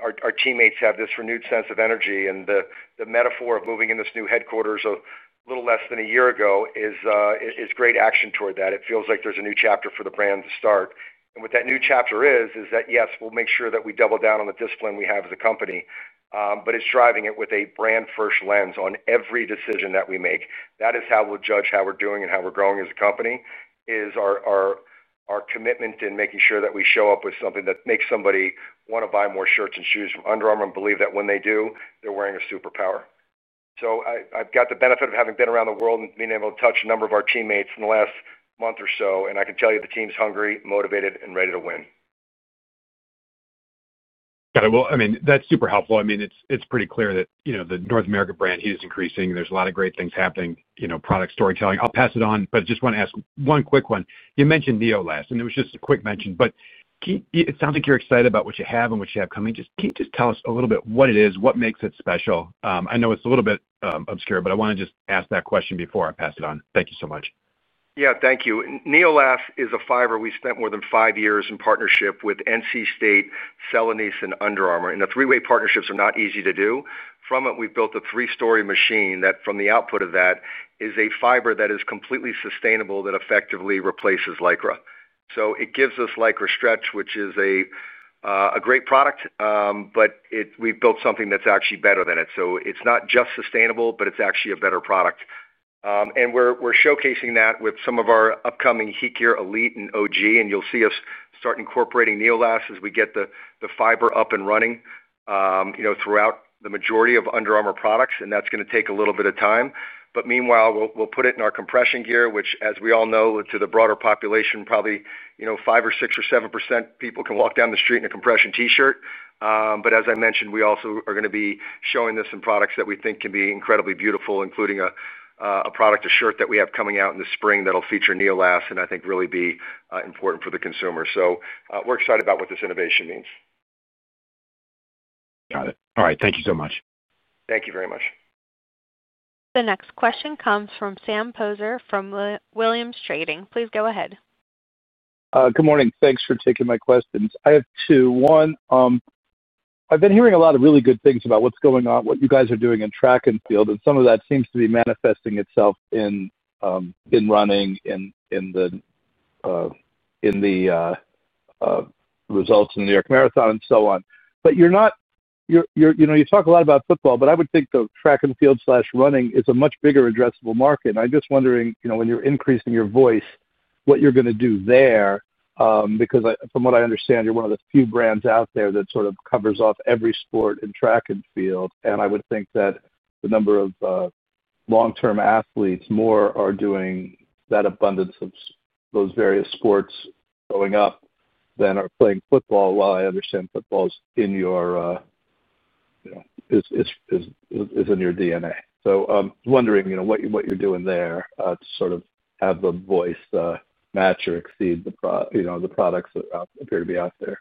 Our teammates have this renewed sense of energy, and the metaphor of moving in this new headquarters a little less than a year ago is great action toward that. It feels like there is a new chapter for the brand to start. What that new chapter is, is that, yes, we will make sure that we double down on the discipline we have as a company, but it is driving it with a brand-first lens on every decision that we make. That is how we will judge how we are doing and how we are growing as a company, is our commitment in making sure that we show up with something that makes somebody want to buy more shirts and shoes from Under Armour and believe that when they do, they are wearing a superpower. I've got the benefit of having been around the world and being able to touch a number of our teammates in the last month or so, and I can tell you the team's hungry, motivated, and ready to win. Got it. I mean, that's super helpful. I mean, it's pretty clear that the North America brand heat is increasing. There's a lot of great things happening, product storytelling. I'll pass it on, but I just want to ask one quick one. You mentioned NEOLAST, and it was just a quick mention. But it sounds like you're excited about what you have and what you have coming. Can you just tell us a little bit what it is, what makes it special? I know it's a little bit obscure, but I want to just ask that question before I pass it on. Thank you so much. Yeah. Thank you. NEOLAST is a fiber we spent more than five years in partnership with NC State, Celanese, and Under Armour. The three-way partnerships are not easy to do. From it, we've built a three-story machine that, from the output of that, is a fiber that is completely sustainable that effectively replaces Lycra. It gives us Lycra Stretch, which is a great product, but we've built something that's actually better than it. It is not just sustainable, but it's actually a better product. We're showcasing that with some of our upcoming HeatGear, Elite and OG, and you'll see us start incorporating NeoLast as we get the fiber up and running throughout the majority of Under Armour products, and that's going to take a little bit of time. Meanwhile, we'll put it in our compression gear, which, as we all know, to the broader population, probably 5% or 6% or 7% of people can walk down the street in a compression T-shirt. As I mentioned, we also are going to be showing this in products that we think can be incredibly beautiful, including a product, a shirt that we have coming out in the spring that'll feature NeoLast and I think really be important for the consumer. We're excited about what this innovation means. Got it. All right. Thank you so much. Thank you very much. The next question comes from Sam Poser from Williams Trading. Please go ahead. Good morning. Thanks for taking my questions. I have two. One. I've been hearing a lot of really good things about what's going on, what you guys are doing in track and field, and some of that seems to be manifesting itself in running and in the results in the New York Marathon and so on. You're not. You talk a lot about football, but I would think the track and field/running is a much bigger addressable market. I'm just wondering, when you're increasing your voice, what you're going to do there? Because from what I understand, you're one of the few brands out there that sort of covers off every sport in track and field. I would think that the number of long-term athletes more are doing that abundance of those various sports going up than are playing football, while I understand football is in your DNA. I'm wondering what you're doing there to sort of have the voice match or exceed the products that appear to be out there.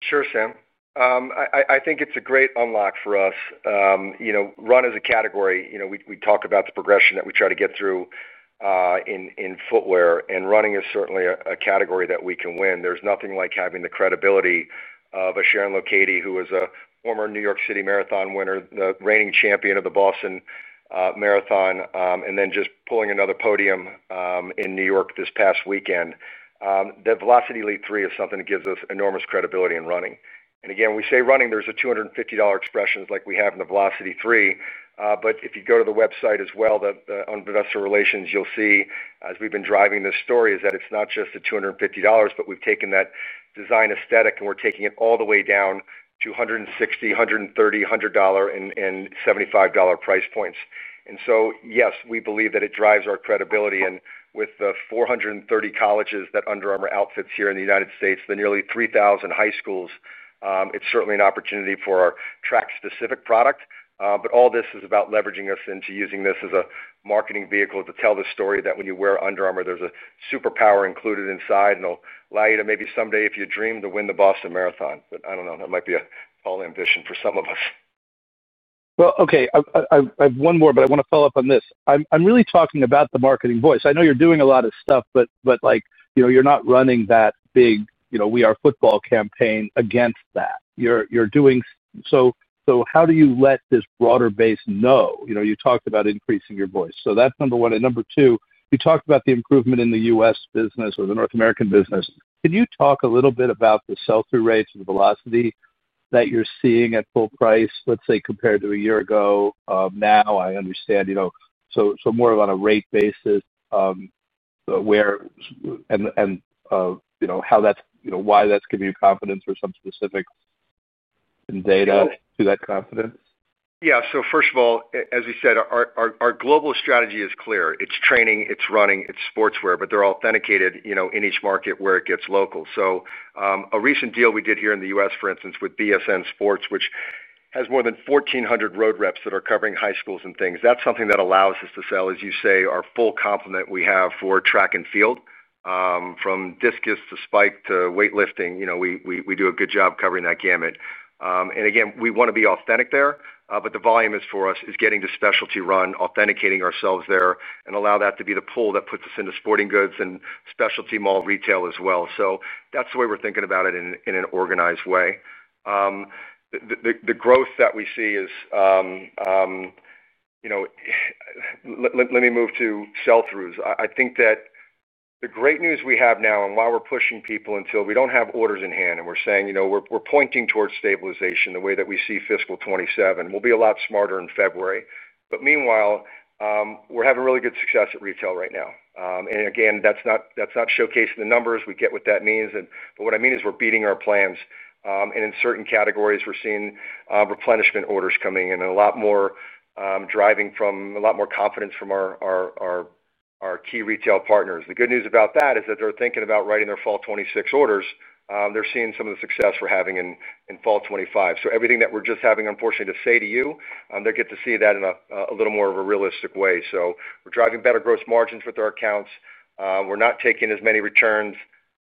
Sure, Sam. I think it's a great unlock for us. Run as a category. We talk about the progression that we try to get through. In footwear, and running is certainly a category that we can win. There's nothing like having the credibility of a Sharon Lokedi, who is a former New York City Marathon winner, the reigning champion of the Boston Marathon, and then just pulling another podium in New York this past weekend. The Velociti Elite 3 is something that gives us enormous credibility in running. Again, when we say running, there's a $250 expression like we have in the Velociti 3. If you go to the website as well, the investor relations, you'll see, as we've been driving this story, is that it's not just the $250, but we've taken that design aesthetic, and we're taking it all the way down to $160, $130, $100, and $75 price points. Yes, we believe that it drives our credibility. With the 430 colleges that Under Armour outfits here in the United States, the nearly 3,000 high schools, it's certainly an opportunity for our track-specific product. All this is about leveraging us into using this as a marketing vehicle to tell the story that when you wear Under Armour, there's a superpower included inside, and it'll allow you to maybe someday, if you dream, win the Boston Marathon. I don't know. That might be a tall ambition for some of us. Okay. I have one more, but I want to follow up on this. I'm really talking about the marketing voice. I know you're doing a lot of stuff, but you're not running that big We Are Football campaign against that. How do you let this broader base know? You talked about increasing your voice. That's number one. Number two, you talked about the improvement in the US business or the North American business. Can you talk a little bit about the sell-through rates and the velocity that you're seeing at full price, let's say, compared to a year ago? I understand. More on a rate basis. How that's, why that's giving you confidence or some specific data to that confidence? Yeah. First of all, as we said, our global strategy is clear. It's training, it's running, it's sportswear, but they're all dedicated in each market where it gets local. A recent deal we did here in the US, for instance, with BSN Sports, which has more than 1,400 road reps that are covering high schools and things. That's something that allows us to sell, as you say, our full complement we have for track and field. From discus to spike to weightlifting, we do a good job covering that gamut. Again, we want to be authentic there, but the volume for us is getting to specialty run, authenticating ourselves there, and allow that to be the pull that puts us into sporting goods and specialty mall retail as well. That's the way we're thinking about it in an organized way. The growth that we see is. Let me move to sell-throughs. I think that. The great news we have now, and why we're pushing people until we don't have orders in hand and we're saying we're pointing towards stabilization the way that we see fiscal 2027, we'll be a lot smarter in February. Meanwhile, we're having really good success at retail right now. Again, that's not showcasing the numbers. We get what that means. What I mean is we're beating our plans. In certain categories, we're seeing replenishment orders coming in and a lot more driving from a lot more confidence from our key retail partners. The good news about that is that they're thinking about writing their fall 2026 orders. They're seeing some of the success we're having in fall 2025. Everything that we're just having, unfortunately, to say to you, they get to see that in a little more of a realistic way. We're driving better gross margins with our accounts. We're not taking as many returns,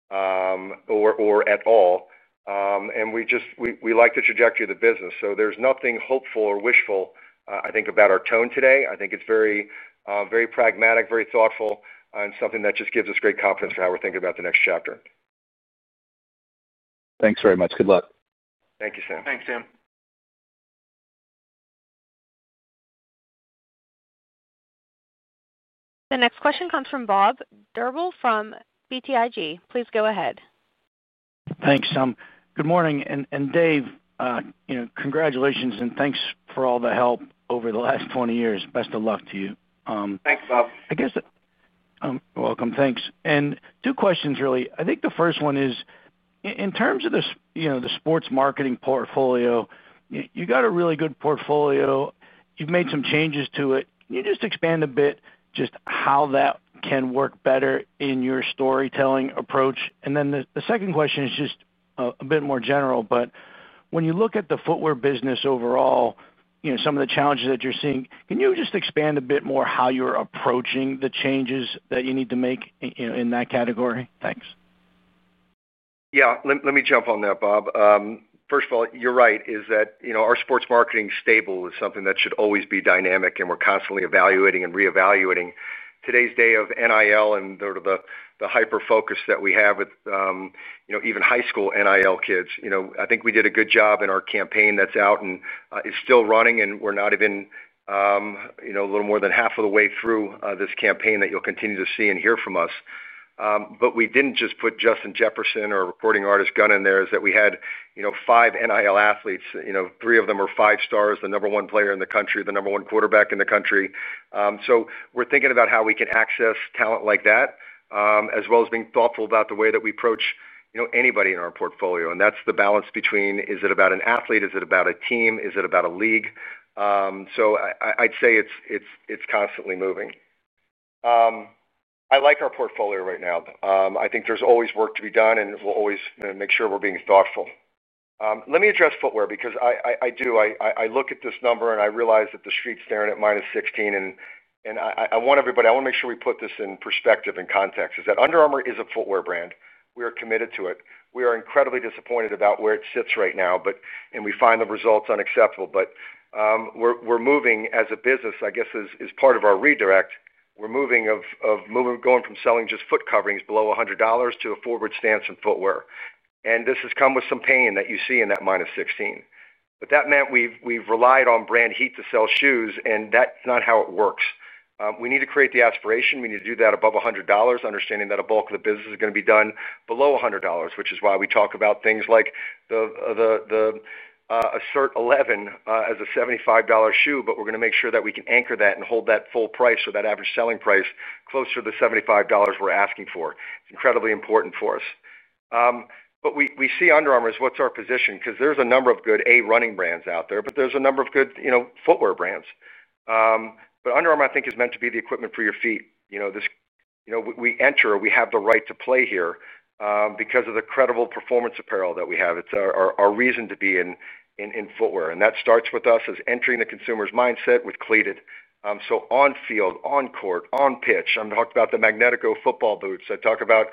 or at all. We like the trajectory of the business. There's nothing hopeful or wishful, I think, about our tone today. I think it's very pragmatic, very thoughtful, and something that just gives us great confidence for how we're thinking about the next chapter. Thanks very much. Good luck. Thank you, Sam. Thanks, Sam. The next question comes from Bob Drbul from BTIG. Please go ahead. Thanks, Sam. Good morning. Dave, congratulations and thanks for all the help over the last 20 years. Best of luck to you. Thanks, Bob. I guess. Welcome. Thanks. Two questions, really. I think the first one is, in terms of the sports marketing portfolio, you've got a really good portfolio. You've made some changes to it. Can you just expand a bit just how that can work better in your storytelling approach? The second question is just a bit more general. When you look at the footwear business overall, some of the challenges that you're seeing, can you just expand a bit more how you're approaching the changes that you need to make in that category? Thanks. Yeah. Let me jump on that, Bob. First of all, you're right, our sports marketing stable is something that should always be dynamic, and we're constantly evaluating and reevaluating. Today's day of NIL and sort of the hyper-focus that we have with even high school NIL kids. I think we did a good job in our campaign that's out and is still running, and we're not even. A little more than half of the way through this campaign that you'll continue to see and hear from us. We did not just put Justin Jefferson or a recording artist Gunna in there, it is that we had five NIL athletes. Three of them are five stars, the number one player in the country, the number one quarterback in the country. We are thinking about how we can access talent like that, as well as being thoughtful about the way that we approach anybody in our portfolio. That is the balance between, is it about an athlete, is it about a team, is it about a league. I would say it is constantly moving. I like our portfolio right now. I think there is always work to be done, and we will always make sure we are being thoughtful. Let me address footwear because I do. I look at this number, and I realize that the street's staring at -16. I want everybody—I want to make sure we put this in perspective and context—is that Under Armour is a footwear brand. We are committed to it. We are incredibly disappointed about where it sits right now, and we find the results unacceptable. We are moving as a business, I guess, as part of our redirect. We are moving from selling just foot coverings below $100 to a forward stance in footwear. This has come with some pain that you see in that -16. That meant we have relied on brand heat to sell shoes, and that's not how it works. We need to create the aspiration. We need to do that above $100, understanding that a bulk of the business is going to be done below $100, which is why we talk about things like the Assert 11 as a $75 shoe, but we're going to make sure that we can anchor that and hold that full price or that average selling price closer to the $75 we're asking for. It's incredibly important for us. We see Under Armour as what's our position because there's a number of good, A, running brands out there, but there's a number of good footwear brands. Under Armour, I think, is meant to be the equipment for your feet. We enter. We have the right to play here because of the credible performance apparel that we have. It's our reason to be in footwear. That starts with us as entering the consumer's mindset with Under Armour. On field, on court, on pitch. I'm talking about the Magnetico football boots. I talk about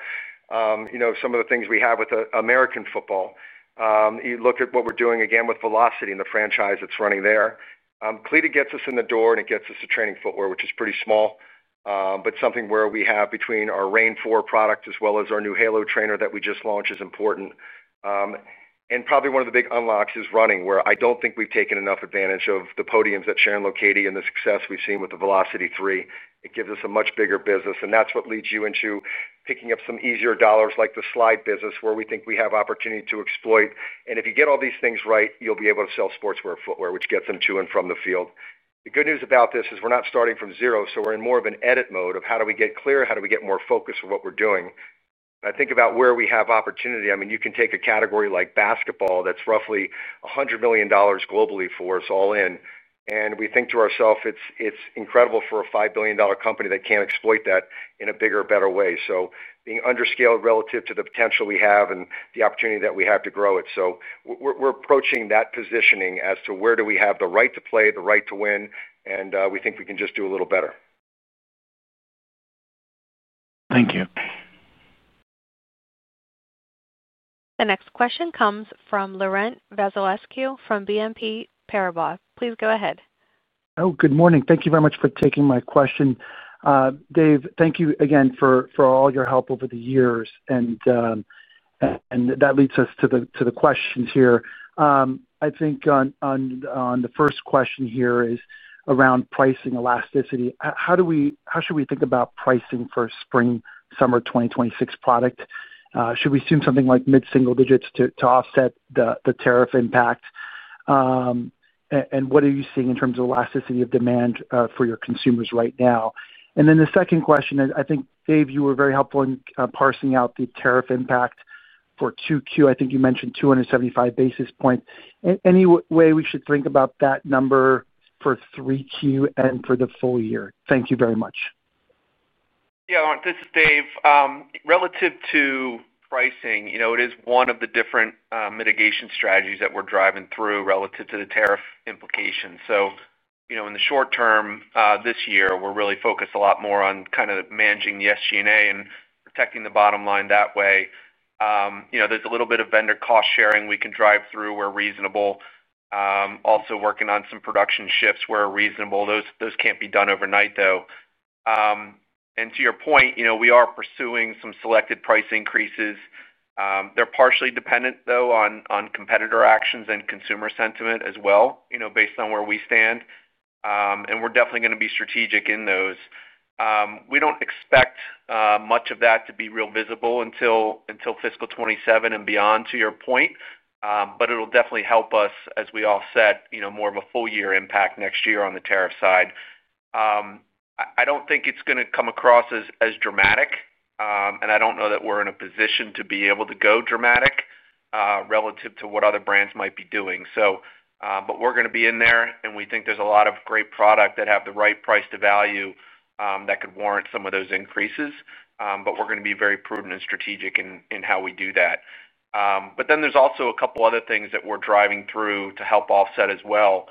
some of the things we have with American football. You look at what we're doing, again, with Velociti and the franchise that's running there. Kledon gets us in the door, and it gets us to training footwear, which is pretty small, but something where we have between our Rain 4 product as well as our new Halo Trainer that we just launched is important. Probably one of the big unlocks is running, where I don't think we've taken enough advantage of the podiums that Sharon Lokedi and the success we've seen with the Velociti 3. It gives us a much bigger business. That's what leads you into picking up some easier dollars like the slide business, where we think we have opportunity to exploit. If you get all these things right, you'll be able to sell sportswear and footwear, which gets them to and from the field. The good news about this is we're not starting from zero, so we're in more of an edit mode of how do we get clear, how do we get more focused on what we're doing. I think about where we have opportunity. I mean, you can take a category like basketball that's roughly $100 million globally for us all in. We think to ourselves, it's incredible for a $5 billion company that can exploit that in a bigger, better way. Being underscaled relative to the potential we have and the opportunity that we have to grow it. We're approaching that positioning as to where do we have the right to play, the right to win, and we think we can just do a little better. Thank you. The next question comes from Laurent Vasilescu from BNP Paribas. Please go ahead. Good morning. Thank you very much for taking my question. Dave, thank you again for all your help over the years. That leads us to the questions here. I think the first question here is around pricing elasticity. How should we think about pricing for a spring-summer 2026 product? Should we assume something like mid-single digits to offset the tariff impact? What are you seeing in terms of elasticity of demand for your consumers right now? The second question, I think, Dave, you were very helpful in parsing out the tariff impact for Q2. I think you mentioned 275 basis points. Any way we should think about that number for Q3 and for the full year? Thank you very much. Yeah. This is Dave. Relative to pricing, it is one of the different mitigation strategies that we're driving through relative to the tariff implications. In the short term this year, we're really focused a lot more on kind of managing the SG&A and protecting the bottom line that way. There's a little bit of vendor cost sharing we can drive through where reasonable. Also working on some production shifts where reasonable. Those cannot be done overnight, though. To your point, we are pursuing some selected price increases. They're partially dependent, though, on competitor actions and consumer sentiment as well, based on where we stand. We're definitely going to be strategic in those. We do not expect much of that to be real visible until fiscal 2027 and beyond, to your point. It will definitely help us, as we all said, more of a full-year impact next year on the tariff side. I do not think it is going to come across as dramatic, and I do not know that we are in a position to be able to go dramatic, relative to what other brands might be doing. We are going to be in there, and we think there is a lot of great product that have the right price to value that could warrant some of those increases. We are going to be very prudent and strategic in how we do that. There are also a couple of other things that we are driving through to help offset as well.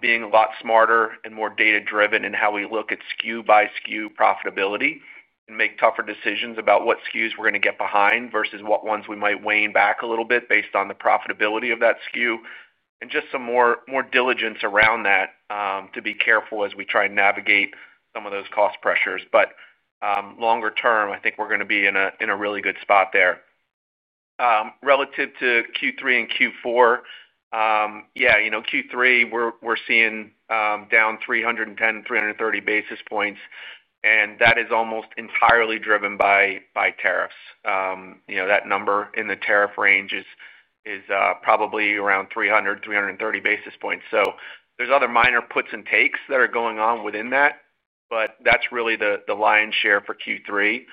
Being a lot smarter and more data-driven in how we look at SKU-by-SKU profitability and make tougher decisions about what SKUs we're going to get behind versus what ones we might wane back a little bit based on the profitability of that SKU. And just some more diligence around that to be careful as we try and navigate some of those cost pressures. Longer term, I think we're going to be in a really good spot there. Relative to Q3 and Q4. Yeah, Q3, we're seeing down 310-330 basis points, and that is almost entirely driven by tariffs. That number in the tariff range is probably around 300-330 basis points. There are other minor puts and takes that are going on within that, but that's really the lion's share for Q3.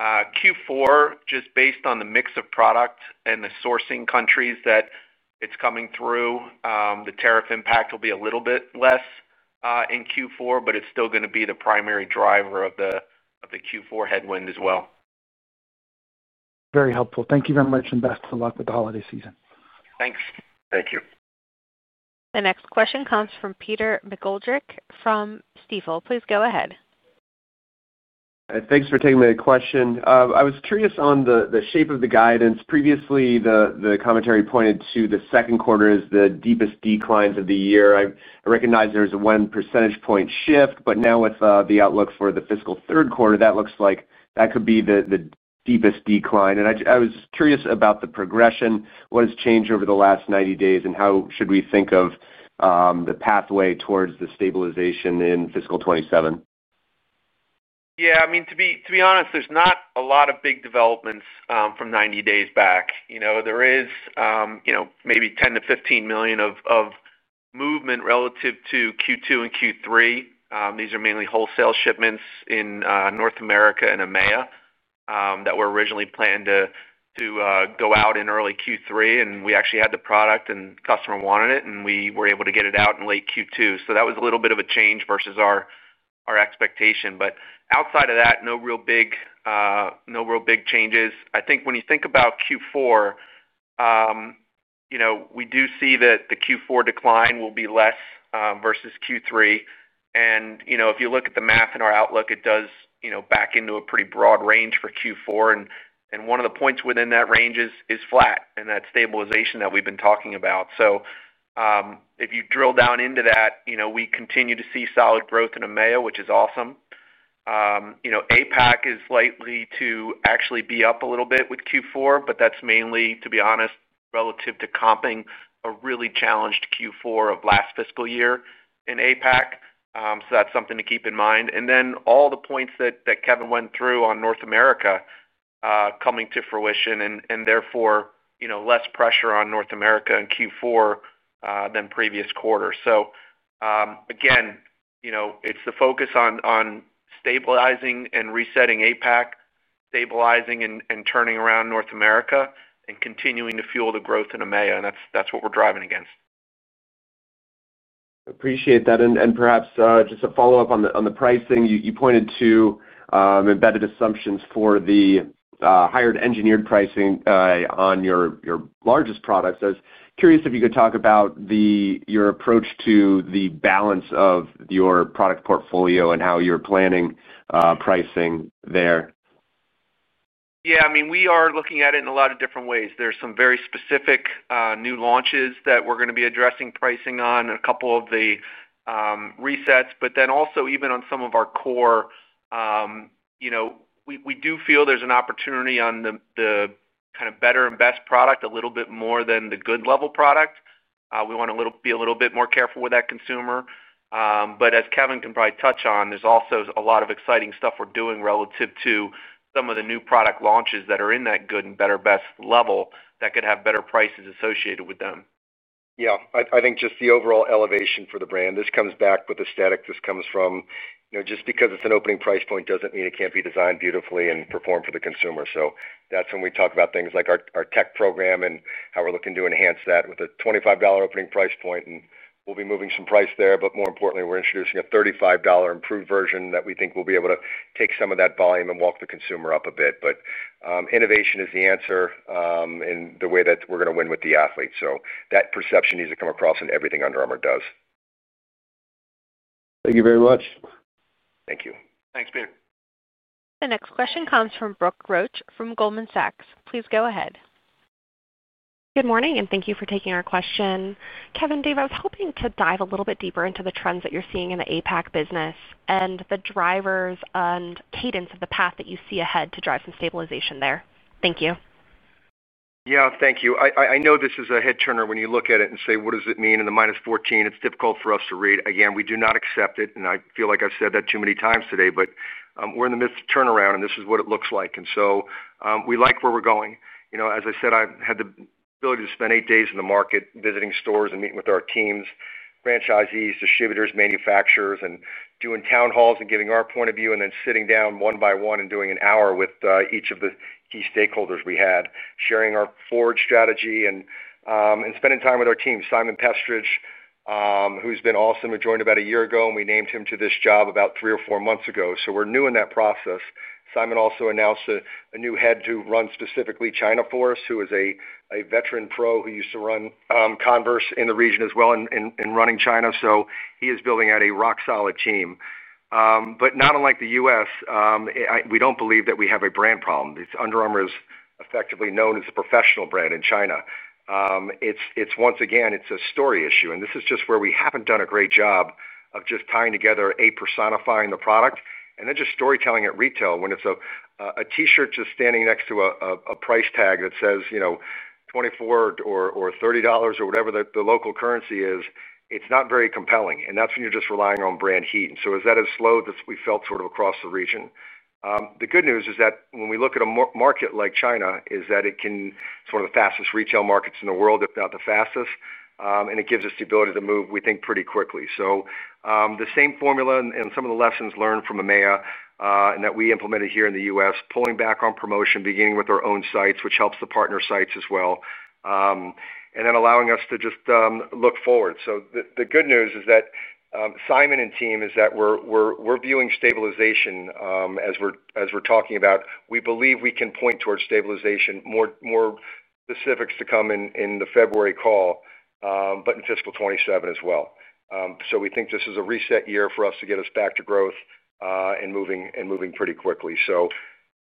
Q4, just based on the mix of product and the sourcing countries that it's coming through. The tariff impact will be a little bit less in Q4, but it's still going to be the primary driver of the Q4 headwind as well. Very helpful. Thank you very much and best of luck with the holiday season. Thanks. Thank you. The next question comes from Peter McGoldrick from Stifel. Please go ahead. Thanks for taking the question. I was curious on the shape of the guidance. Previously, the commentary pointed to the second quarter as the deepest decline of the year. I recognize there's one percentage point shift, but now with the outlook for the fiscal third quarter, that looks like that could be the deepest decline. I was curious about the progression. What has changed over the last 90 days, and how should we think of the pathway towards the stabilization in fiscal 2027? Yeah. I mean, to be honest, there's not a lot of big developments from 90 days back. There is maybe $10 million-$15 million of movement relative to Q2 and Q3. These are mainly wholesale shipments in North America and EMEA that were originally planned to go out in early Q3, and we actually had the product, and the customer wanted it, and we were able to get it out in late Q2. That was a little bit of a change versus our expectation. Outside of that, no real big changes. I think when you think about Q4, we do see that the Q4 decline will be less versus Q3. If you look at the math in our outlook, it does back into a pretty broad range for Q4, and one of the points within that range is flat, and that's stabilization that we've been talking about. If you drill down into that, we continue to see solid growth in EMEA, which is awesome. APAC is likely to actually be up a little bit with Q4, but that's mainly, to be honest, relative to comping a really challenged Q4 of last fiscal year in APAC. That's something to keep in mind. All the points that Kevin went through on North America are coming to fruition, and therefore less pressure on North America in Q4 than previous quarter. Again, it's the focus on stabilizing and resetting APAC, stabilizing and turning around North America, and continuing to fuel the growth in EMEA. That's what we're driving against. Appreciate that. Perhaps just a follow-up on the pricing. You pointed to embedded assumptions for the higher engineered pricing on your largest products. I was curious if you could talk about. Your approach to the balance of your product portfolio and how you're planning pricing there. Yeah. I mean, we are looking at it in a lot of different ways. There's some very specific new launches that we're going to be addressing pricing on, a couple of the resets, but then also even on some of our core. We do feel there's an opportunity on the kind of better and best product, a little bit more than the good-level product. We want to be a little bit more careful with that consumer. But as Kevin can probably touch on, there's also a lot of exciting stuff we're doing relative to some of the new product launches that are in that good, better, best level that could have better prices associated with them. Yeah. I think just the overall elevation for the brand. This comes back with the static this comes from. Just because it's an opening price point doesn't mean it can't be designed beautifully and performed for the consumer. That's when we talk about things like our tech program and how we're looking to enhance that with a $25 opening price point. We'll be moving some price there, but more importantly, we're introducing a $35 improved version that we think will be able to take some of that volume and walk the consumer up a bit. Innovation is the answer in the way that we're going to win with the athletes. That perception needs to come across in everything Under Armour does. Thank you very much. Thank you. Thanks, Peter. The next question comes from Brooke Roach from Goldman Sachs. Please go ahead. Good morning, and thank you for taking our question. Kevin, Dave, I was hoping to dive a little bit deeper into the trends that you're seeing in the APAC business and the drivers and cadence of the path that you see ahead to drive some stabilization there. Thank you. Yeah. Thank you. I know this is a head-turner when you look at it and say, "What does it mean in the -14?" It's difficult for us to read. Again, we do not accept it. I feel like I've said that too many times today, but we're in the midst of turnaround, and this is what it looks like. We like where we're going. As I said, I've had the ability to spend eight days in the market visiting stores and meeting with our teams, franchisees, distributors, manufacturers, and doing town halls and giving our point of view, and then sitting down one by one and doing an hour with each of the key stakeholders we had, sharing our forward strategy and spending time with our team. Simon Pestridge, who's been awesome, who joined about a year ago, and we named him to this job about three or four months ago. We are new in that process. Simon also announced a new head to run specifically China for us, who is a veteran pro who used to run Converse in the region as well in running China. He is building out a rock-solid team. Not unlike the US, we don't believe that we have a brand problem. Under Armour is effectively known as a professional brand in China. Once again, it's a story issue. This is just where we haven't done a great job of just tying together and personifying the product and then just storytelling at retail when it's a T-shirt just standing next to a price tag that says $24 or $30 or whatever the local currency is, it's not very compelling. That's when you're just relying on brand heat. Is that as slow that we felt sort of across the region? The good news is that when we look at a market like China, it can. It's one of the fastest retail markets in the world, if not the fastest. It gives us the ability to move, we think, pretty quickly. The same formula and some of the lessons learned from EMEA and that we implemented here in the US, pulling back on promotion, beginning with our own sites, which helps the partner sites as well. Then allowing us to just look forward. The good news is that Simon and team is that we're viewing stabilization as we're talking about. We believe we can point towards stabilization. More specifics to come in the February call, but in fiscal 2027 as well. We think this is a reset year for us to get us back to growth and moving pretty quickly.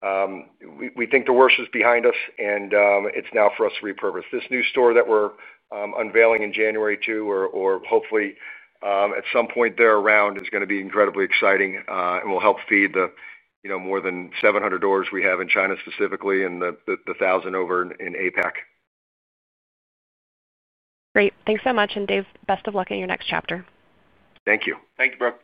We think the worst is behind us, and it's now for us to repurpose. This new store that we're unveiling in January too, or hopefully at some point there around, is going to be incredibly exciting and will help feed the more than 700 doors we have in China specifically and the 1,000 over in APAC. Great. Thanks so much. And Dave, best of luck in your next chapter. Thank you. Thank you, Brooke.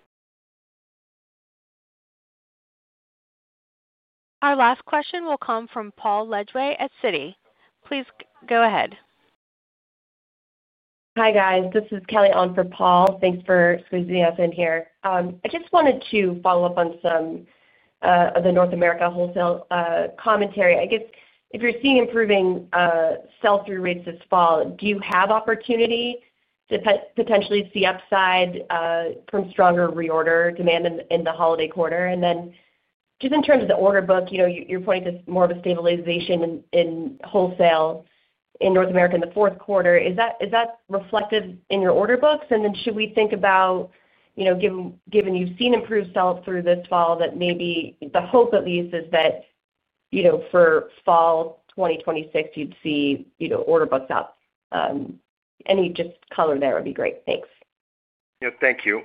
Our last question will come from Paul Ledgeway at Citi. Please go ahead. Hi, guys. This is Kelly on for Paul. Thanks for squeezing us in here. I just wanted to follow up on some of the North America wholesale commentary. I guess if you're seeing improving sell-through rates this fall, do you have opportunity to potentially see upside from stronger reorder demand in the holiday quarter? Just in terms of the order book, you're pointing to more of a stabilization in wholesale in North America in the fourth quarter. Is that reflective in your order books? Should we think about, given you've seen improved sell-through this fall, that maybe the hope at least is that for fall 2026, you'd see order books up? Any just color there would be great. Thanks. Yeah. Thank you.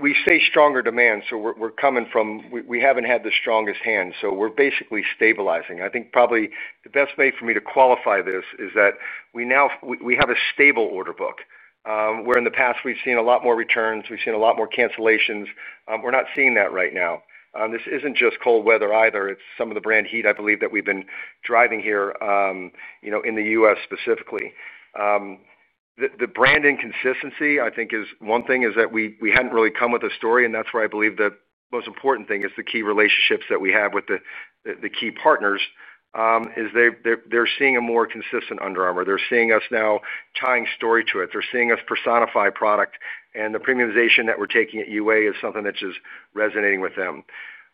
We see stronger demand. We're coming from, we haven't had the strongest hands, so we're basically stabilizing. I think probably the best way for me to qualify this is that we have a stable order book. Where in the past, we've seen a lot more returns. We've seen a lot more cancellations. We're not seeing that right now. This isn't just cold weather either. It's some of the brand heat, I believe, that we've been driving here. In the U.S. specifically, the brand inconsistency, I think, is one thing is that we had not really come with a story. That is where I believe the most important thing is the key relationships that we have with the key partners, is they are seeing a more consistent Under Armour. They are seeing us now tying story to it. They are seeing us personify product. The premiumization that we are taking at UA is something that is just resonating with them.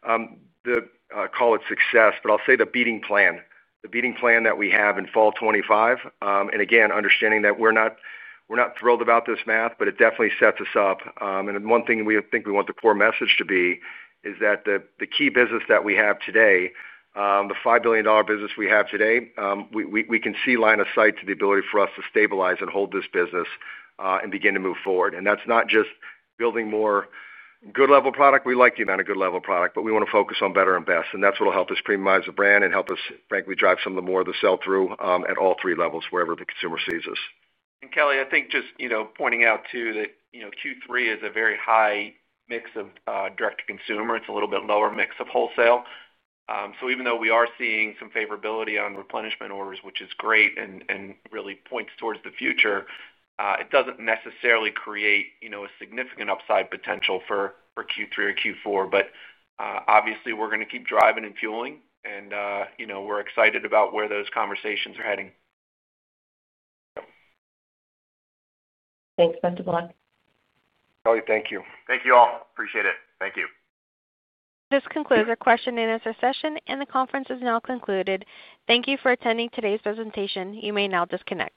Call it success, but I will say the beating plan. The beating plan that we have in fall 2025. Again, understanding that we are not thrilled about this math, but it definitely sets us up. One thing we think we want the core message to be is that the key business that we have today. The $5 billion business we have today, we can see line of sight to the ability for us to stabilize and hold this business. We can begin to move forward. That is not just building more good-level product. We like the amount of good-level product, but we want to focus on better and best. That is what will help us premiumize the brand and help us, frankly, drive some more of the sell-through at all three levels wherever the consumer sees us. Kelly, I think just pointing out too that Q3 is a very high mix of direct-to-consumer. It is a little bit lower mix of wholesale. Even though we are seeing some favorability on replenishment orders, which is great and really points towards the future, it does not necessarily create a significant upside potential for Q3 or Q4. Obviously, we are going to keep driving and fueling. We're excited about where those conversations are heading. Thanks. Best of luck. Kelly, thank you. Thank you all. Appreciate it. Thank you. This concludes our question and answer session, and the conference is now concluded. Thank you for attending today's presentation. You may now disconnect.